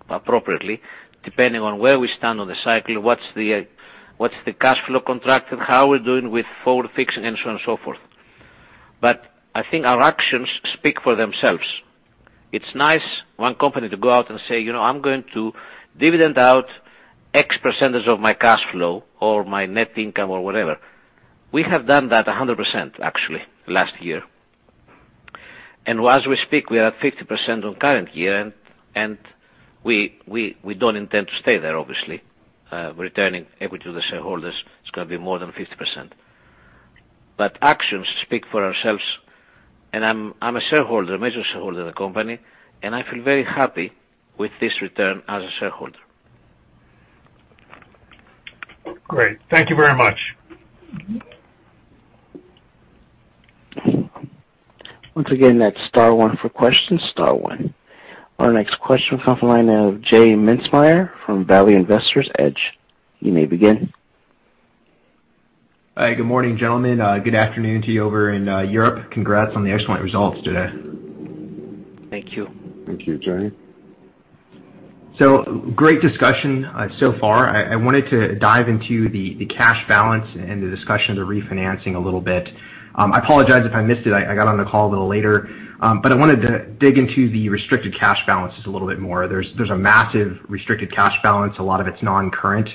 appropriately, depending on where we stand on the cycle, what's the cash flow contract and how we're doing with forward fixing and so on and so forth. I think our actions speak for themselves. It's nice for one company to go out and say, "You know, I'm going to dividend out X percentage of my cash flow or my net income or whatever." We have done that 100%, actually, last year. As we speak, we are at 50% on current year, and we don't intend to stay there, obviously. Returning equity to the shareholders, it's gonna be more than 50%. Actions speak for ourselves, and I'm a shareholder, a major shareholder in the company, and I feel very happy with this return as a shareholder. Great. Thank you very much. Once again, that's star one for questions. Star one. Our next question comes from the line of J Mintzmyer from Value Investor's Edge. You may begin. Hi. Good morning, gentlemen. Good afternoon to you over in Europe. Congrats on the excellent results today. Thank you. Thank you, J. Great discussion so far. I wanted to dive into the cash balance and the discussion of the refinancing a little bit. I apologize if I missed it. I got on the call a little later. I wanted to dig into the restricted cash balance just a little bit more. There's a massive, restricted cash balance. A lot of its non-current.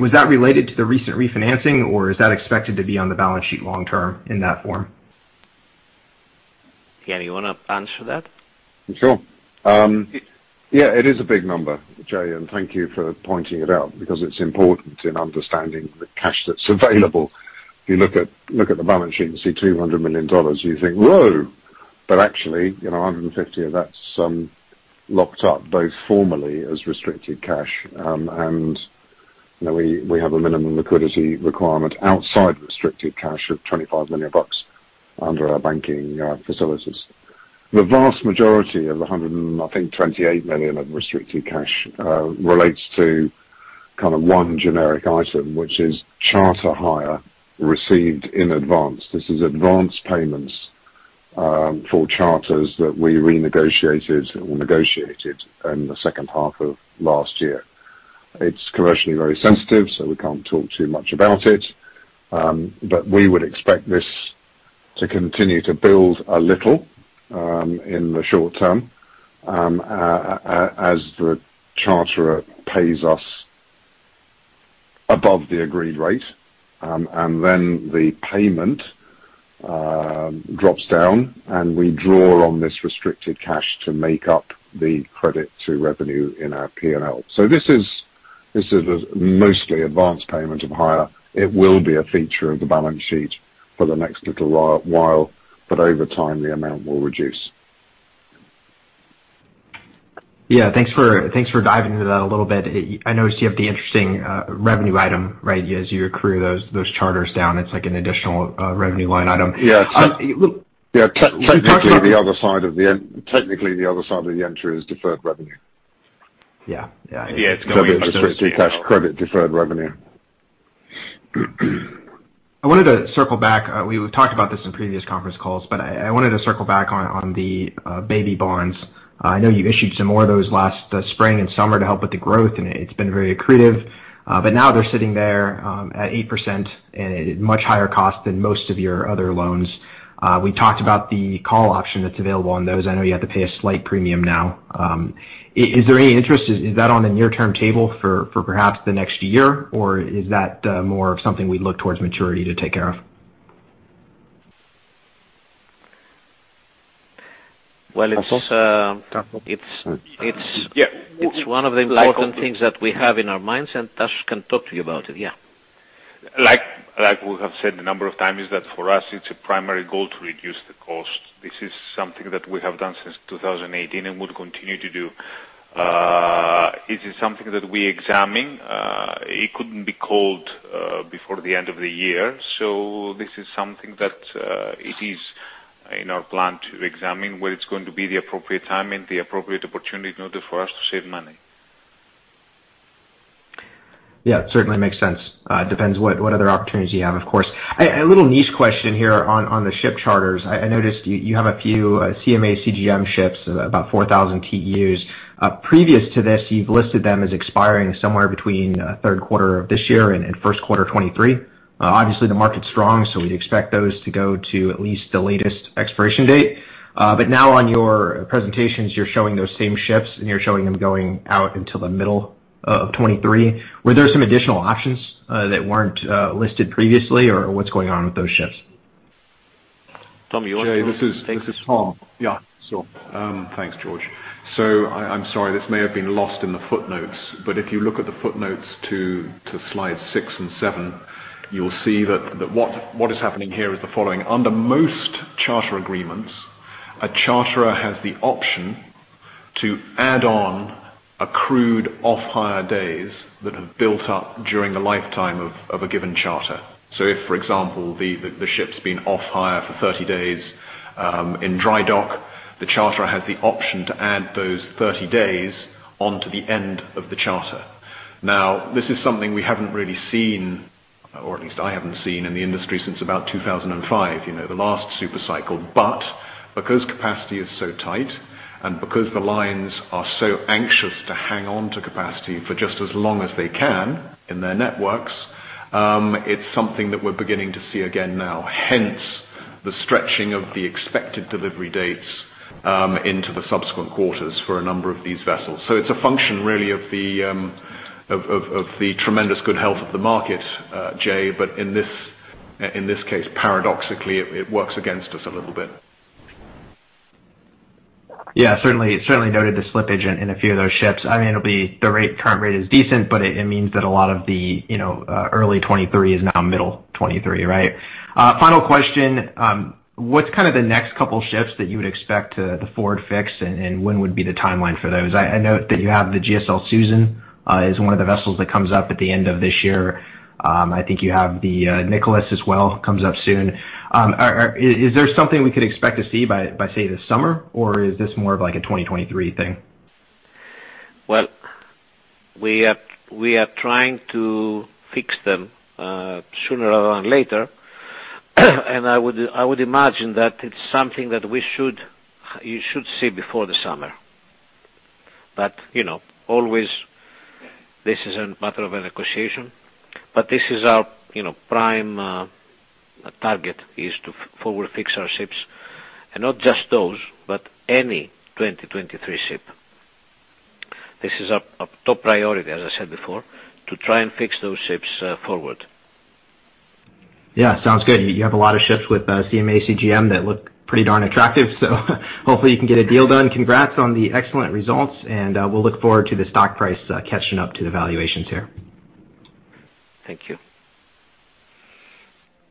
Was that related to the recent refinancing, or is that expected to be on the balance sheet long term in that form? Ian, you wanna answer that? Sure. Yeah, it is a big number, J, and thank you for pointing it out because it's important in understanding the cash that's available. You look at the balance sheet and see $200 million, you think, whoa. Actually, you know, 150 of that's locked up both formally as restricted cash, and, you know, we have a minimum liquidity requirement outside restricted cash of $25 million under our banking facilities. The vast majority of the $128 million of restricted cash relates to kind of one generic item, which is charter hire received in advance. This is advance payments for charters that we renegotiated or negotiated in the second half of last year. It's commercially very sensitive, so we can't talk too much about it. We would expect this to continue to build a little, in the short term, as the charterer pays us above the agreed rate, and then the payment drops down and we draw on this restricted cash to make up the credit to revenue in our P&L. This is a mostly advanced payment of hire. It will be a feature of the balance sheet for the next little while, but over time, the amount will reduce. Yeah. Thanks for diving into that a little bit. I noticed you have the interesting revenue item, right? As you accrue those charters down, it's like an additional revenue line item. Yeah. Um, look- Yeah. Technically, the other side of the entry is deferred revenue. Yeah. Yeah. Yeah. It's gonna be. Restricted cash, credit, deferred revenue. I wanted to circle back. We talked about this in previous conference calls, but I wanted to circle back on the baby bonds. I know you issued some more of those last spring and summer to help with the growth, and it's been very accretive. Now they're sitting there at 8% at a much higher cost than most of your other loans. We talked about the call option that's available on those. I know you have to pay a slight premium now. Is there any interest? Is that on the near-term table for perhaps the next year, or is that more of something we'd look towards maturity to take care of? Well, it's. Yeah. It's one of the important things that we have in our minds, and Tassos can talk to you about it. Yeah. Like we have said a number of times, that for us it's a primary goal to reduce the cost. This is something that we have done since 2018 and would continue to do. It is something that we examine. It couldn't be called before the end of the year, so this is something that it is in our plan to examine when it's going to be the appropriate time and the appropriate opportunity in order for us to save money. Yeah, certainly makes sense. It depends what other opportunities you have, of course. A little niche question here on the ship charters. I noticed you have a few CMA CGM ships, about 4,000 TEUs. Previous to this, you've listed them as expiring somewhere between third quarter of this year and first quarter 2023. Obviously, the market's strong, so we'd expect those to go to at least the latest expiration date. But now on your presentations, you're showing those same ships, and you're showing them going out until the middle of 2023. Were there some additional options that weren't listed previously, or what's going on with those ships? Tom, you want to- This is Tom. Thanks, George. I'm sorry this may have been lost in the footnotes, but if you look at the footnotes to slide six and seven, you'll see that what is happening here is the following. Under most charter agreements, a charterer has the option to add on accrued off-hire days that have built up during the lifetime of a given charter. If, for example, the ship's been off hire for 30 days in dry dock, the charterer has the option to add those 30 days onto the end of the charter. This is something we haven't really seen, or at least I haven't seen in the industry since about 2005, you know, the last super cycle. Because capacity is so tight and because the lines are so anxious to hang on to capacity for just as long as they can in their networks, it's something that we're beginning to see again now, hence the stretching of the expected delivery dates into the subsequent quarters for a number of these vessels. It's a function really of the tremendous, good health of the market, Jay. In this case, paradoxically, it works against us a little bit. Yeah, certainly noted the slippage in a few of those ships. I mean, it'll be the rate, current rate is decent, but it means that a lot of the, you know, early 2023 is now middle 2023, right? Final question. What's kind of the next couple ships that you would expect to forward fix, and when would be the timeline for those? I note that you have the GSL Susan is one of the vessels that comes up at the end of this year. I think you have the Nicholas as well, comes up soon. Is there something we could expect to see by say this summer, or is this more of like a 2023 thing? Well, we are trying to fix them sooner rather than later. I would imagine that it's something that you should see before the summer. You know, always this is a matter of a negotiation, but this is our prime target is to forward fix our ships and not just those, but any 2023 ship. This is our top priority, as I said before, to try and fix those ships forward. Yeah, sounds good. You have a lot of ships with CMA CGM that look pretty darn attractive, so hopefully you can get a deal done. Congrats on the excellent results and we'll look forward to the stock price catching up to the valuations here. Thank you.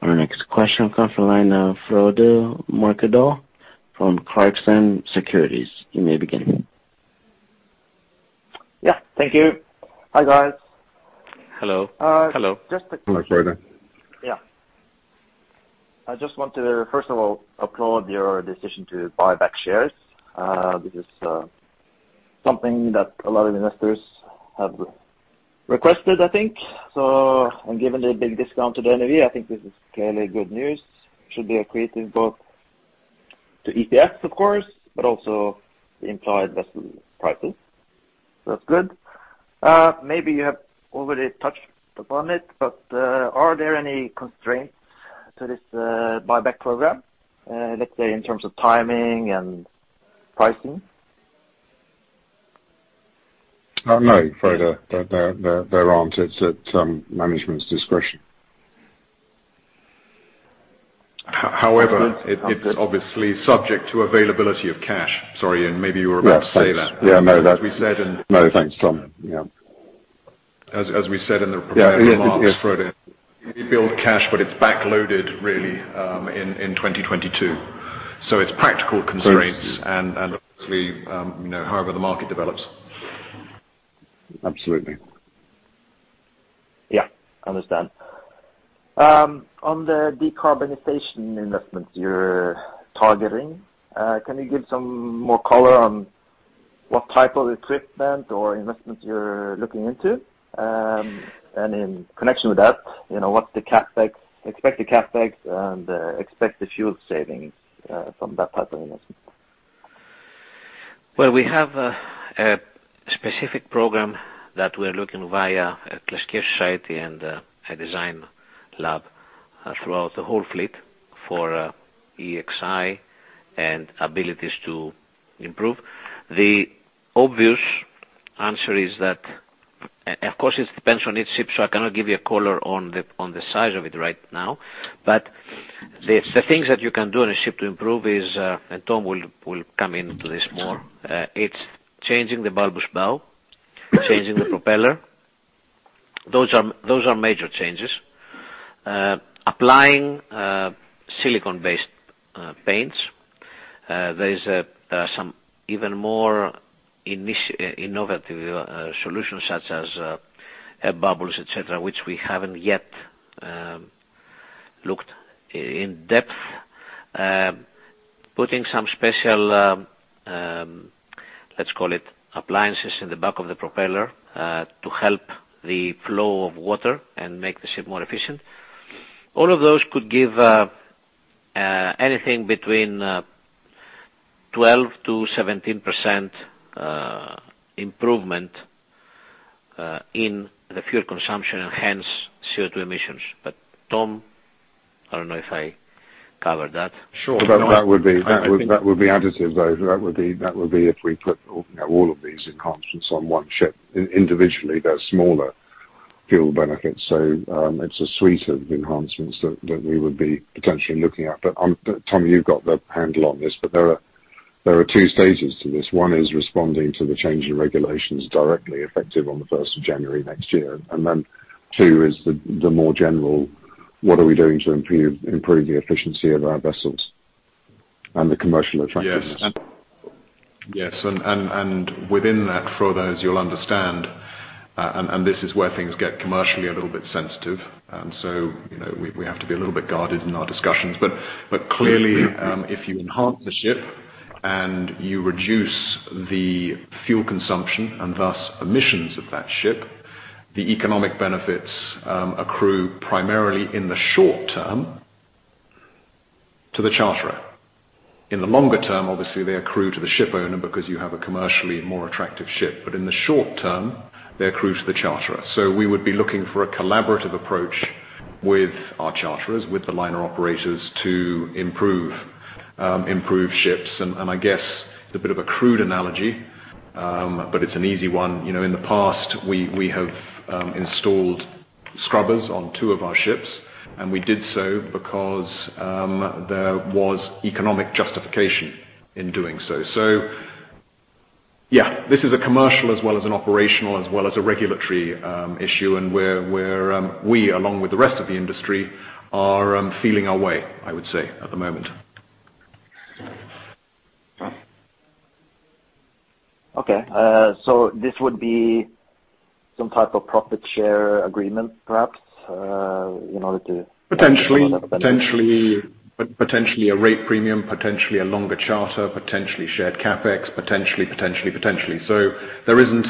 Our next question will come from the line of Frode Mørkedal from Clarksons Securities. You may begin. Yeah. Thank you. Hi, guys. Hello. Uh, just- Hello, Frode. Yeah. I just want to first of all applaud your decision to buy back shares. This is something that a lot of investors have requested, I think so. Given the big discount to the NAV, I think this is clearly good news. Should be accretive both to EPS of course, but also the implied vessel prices. That's good. Maybe you have already touched upon it, but are there any constraints to this buyback program, let's say in terms of timing and pricing? No, Frode. There aren't. It's at management's discretion. However, it's obviously subject to availability of cash. Sorry, and maybe you were about to say that. Yeah, no, that's. As we said in- No, thanks, Tom. Yeah. As we said in the prepared remarks, Frode, we build cash, but it's backloaded really in 2022. It's practical constraints and obviously, you know, however the market develops. Absolutely. Yeah, I understand. On the decarbonization investments you're targeting, can you give some more color on what type of equipment or investments you're looking into? In connection with that, what's the expected CapEx and expected fuel savings from that type of investment? Well, we have a specific program that we're looking via a classification society and a design lab throughout the whole fleet for EEXI and CII. The obvious answer is that, of course, it depends on each ship, so I cannot give you a color on the size of it right now. The things that you can do on a ship to improve is and Tom will come into this more, it's changing the bulbous bow, changing the propeller. Those are major changes. Applying silicone-based paints. There is some even more innovative solutions such as air bubbles, et cetera, which we haven't yet looked in-depth. Putting some special, let's call it appendages in the back of the propeller to help the flow of water and make the ship more efficient. All of those could give anything between 12%-17% improvement in the fuel consumption and hence CO2 emissions. Tom, I don't know if I covered that. Sure. That would be additive, though. That would be if we put all of these enhancements on one ship. Individually, they're smaller fuel benefits. So, it's a suite of enhancements that we would be potentially looking at. But, Tom, you've got the handle on this, but there are two stages to this. One is responding to the change in regulations directly effective on the January 1st next year. Then two is the more general, what are we doing to improve the efficiency of our vessels and the commercial attractiveness? Yes. Within that, Frode, as you'll understand, this is where things get commercially a little bit sensitive, so you know, we have to be a little bit guarded in our discussions. Clearly, if you enhance the ship and you reduce the fuel consumption and thus emissions of that ship, the economic benefits accrue primarily in the short term to the charterer. In the longer term, obviously, they accrue to the ship owner because you have a commercially more attractive ship. In the short term, they accrue to the charterer. We would be looking for a collaborative approach with our charterers, with the liner operators to improve ships, and I guess it's a bit of a crude analogy, but it's an easy one. You know, in the past, we have installed scrubbers on two of our ships, and we did so because there was economic justification in doing so. Yeah, this is a commercial as well as an operational as well as a regulatory issue. We, along with the rest of the industry, are feeling our way, I would say, at the moment. This would be some type of profit share agreement perhaps, in order to- Potentially a rate premium, potentially a longer charter, potentially shared CapEx potentially, potentially, potentiall. There isn't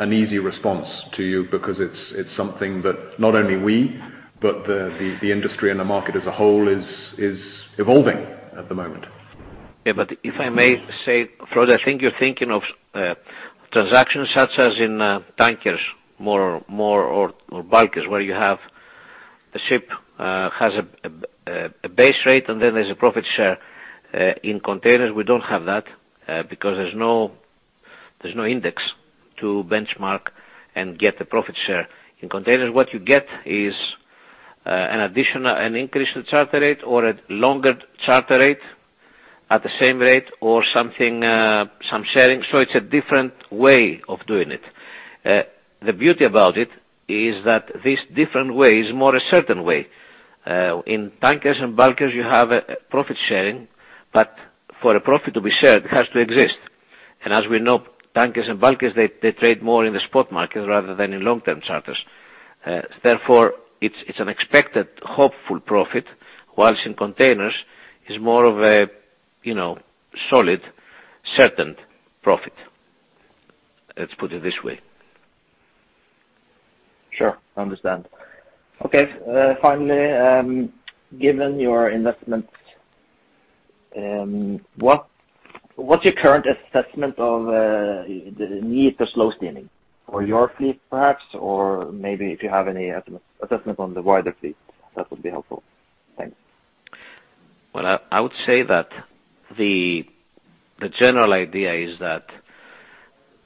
an easy response to you because it's something that not only we, but the industry and the market as a whole is evolving at the moment. Yeah. If I may say, Frode, I think you're thinking of transactions such as in tankers more or bulkers where you have a ship has a base rate and then there's a profit share. In containers we don't have that because there's no index to benchmark and get the profit share. In containers what you get is an increase in charter rate or a longer charter rate at the same rate or something, some sharing. It's a different way of doing it. The beauty about it is that this different way is more a certain way. In tankers and bulkers, you have a profit sharing, but for a profit to be shared, it has to exist. As we know, tankers and bulkers, they trade more in the spot market rather than in long-term charters. Therefore, it's an expected hopeful profit, while in containers is more of a, you know, solid certain profit. Let's put it this way. Sure, understand. Okay, finally, given your investments, what's your current assessment of the need for slow steaming for your fleet perhaps, or maybe if you have any assessment on the wider fleet, that would be helpful. Thanks. Well, I would say that the general idea is that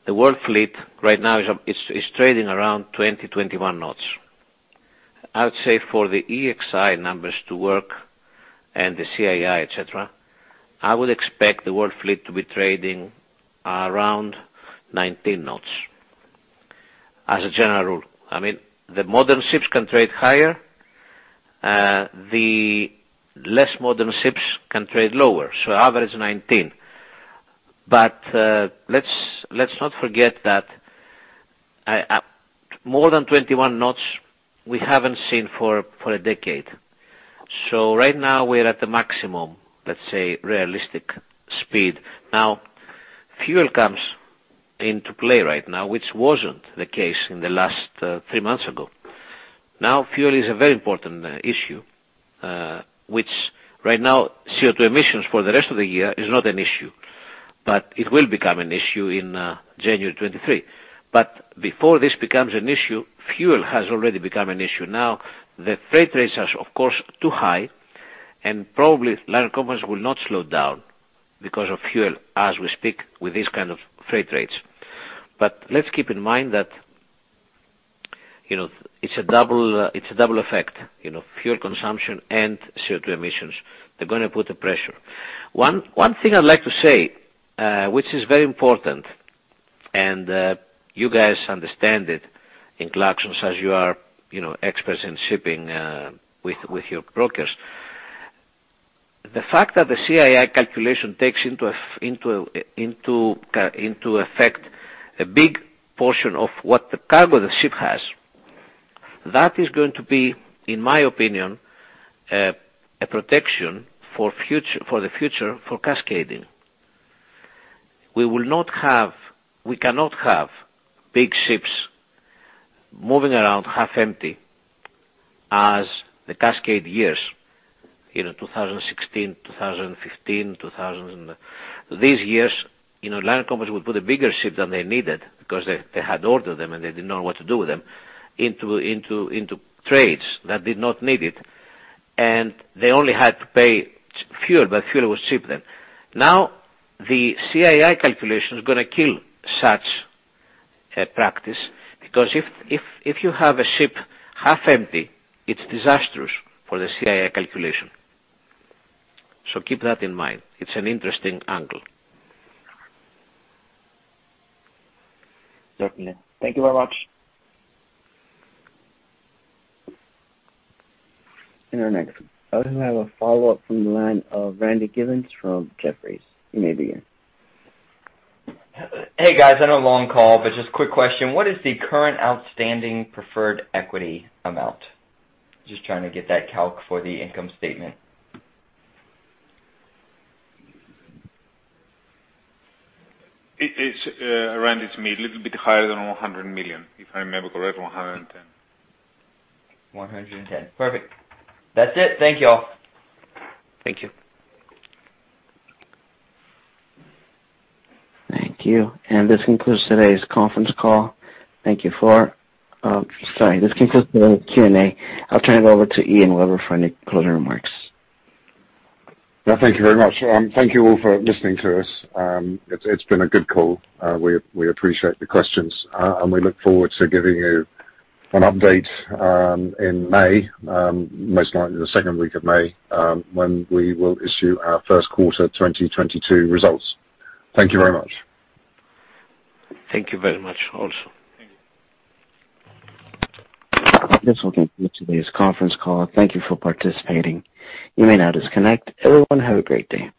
the world fleet right now is trading around 20-21 knots. I would say for the EEXI numbers to work and the CII, et cetera, I would expect the world fleet to be trading around 19 knots as a general rule. I mean, the modern ships can trade higher. The less modern ships can trade lower, so average 19 knots. Let's not forget that more than 21 knots, we haven't seen for a decade. So right now, we're at the maximum, let's say, realistic speed. Now, fuel comes into play right now, which wasn't the case in the last three months ago. Now, fuel is a very important issue, which right now, CO2 emissions for the rest of the year is not an issue, but it will become an issue in January 2023. Before this becomes an issue, fuel has already become an issue now. The freight rates are of course too high and probably line companies will not slow down because of fuel as we speak with these kinds of freight rates. Let's keep in mind that, you know, it's a double effect, you know, fuel consumption and CO2 emissions. They're gonna put the pressure. One thing I'd like to say, which is very important, and you guys understand it in Clarksons as you are, you know, experts in shipping, with your brokers. The fact that the CII calculation takes into effect a big portion of what the cargo the ship has, that is going to be, in my opinion, a protection for the future for cascading. We cannot have big ships moving around half empty as the cascade years, you know, 2016, 2015, 2014. These years, you know, line companies would put a bigger ship than they needed because they had ordered them and they didn't know what to do with them into trades that did not need it. They only had to pay fuel, but fuel was cheap then. Now, the CII calculation is gonna kill such a practice because if you have a ship half empty, it's disastrous for the CII calculation. Keep that in mind. It's an interesting angle. Certainly. Thank you very much. Our next. I also have a follow-up from the line of Randy Giveans from Jefferies. You may begin. Hey, guys. I know it's a long call, but just a quick question. What is the current outstanding preferred equity amount? Just trying to get that calc for the income statement. It is around. It's maybe little bit higher than $100 million, if I remember correct, $110. $110. Perfect. That's it. Thank you all. Thank you. Thank you. This concludes today's conference call. Sorry, this concludes the Q&A. I'll turn it over to Ian Webber for any closing remarks. Yeah, thank you very much. Thank you all for listening to us. It's been a good call. We appreciate the questions, and we look forward to giving you an update in May, most likely the second week of May, when we will issue our first quarter 2022 results. Thank you very much. Thank you very much also. Thank you. This will conclude today's conference call. Thank you for participating. You may now disconnect. Everyone, have a great day.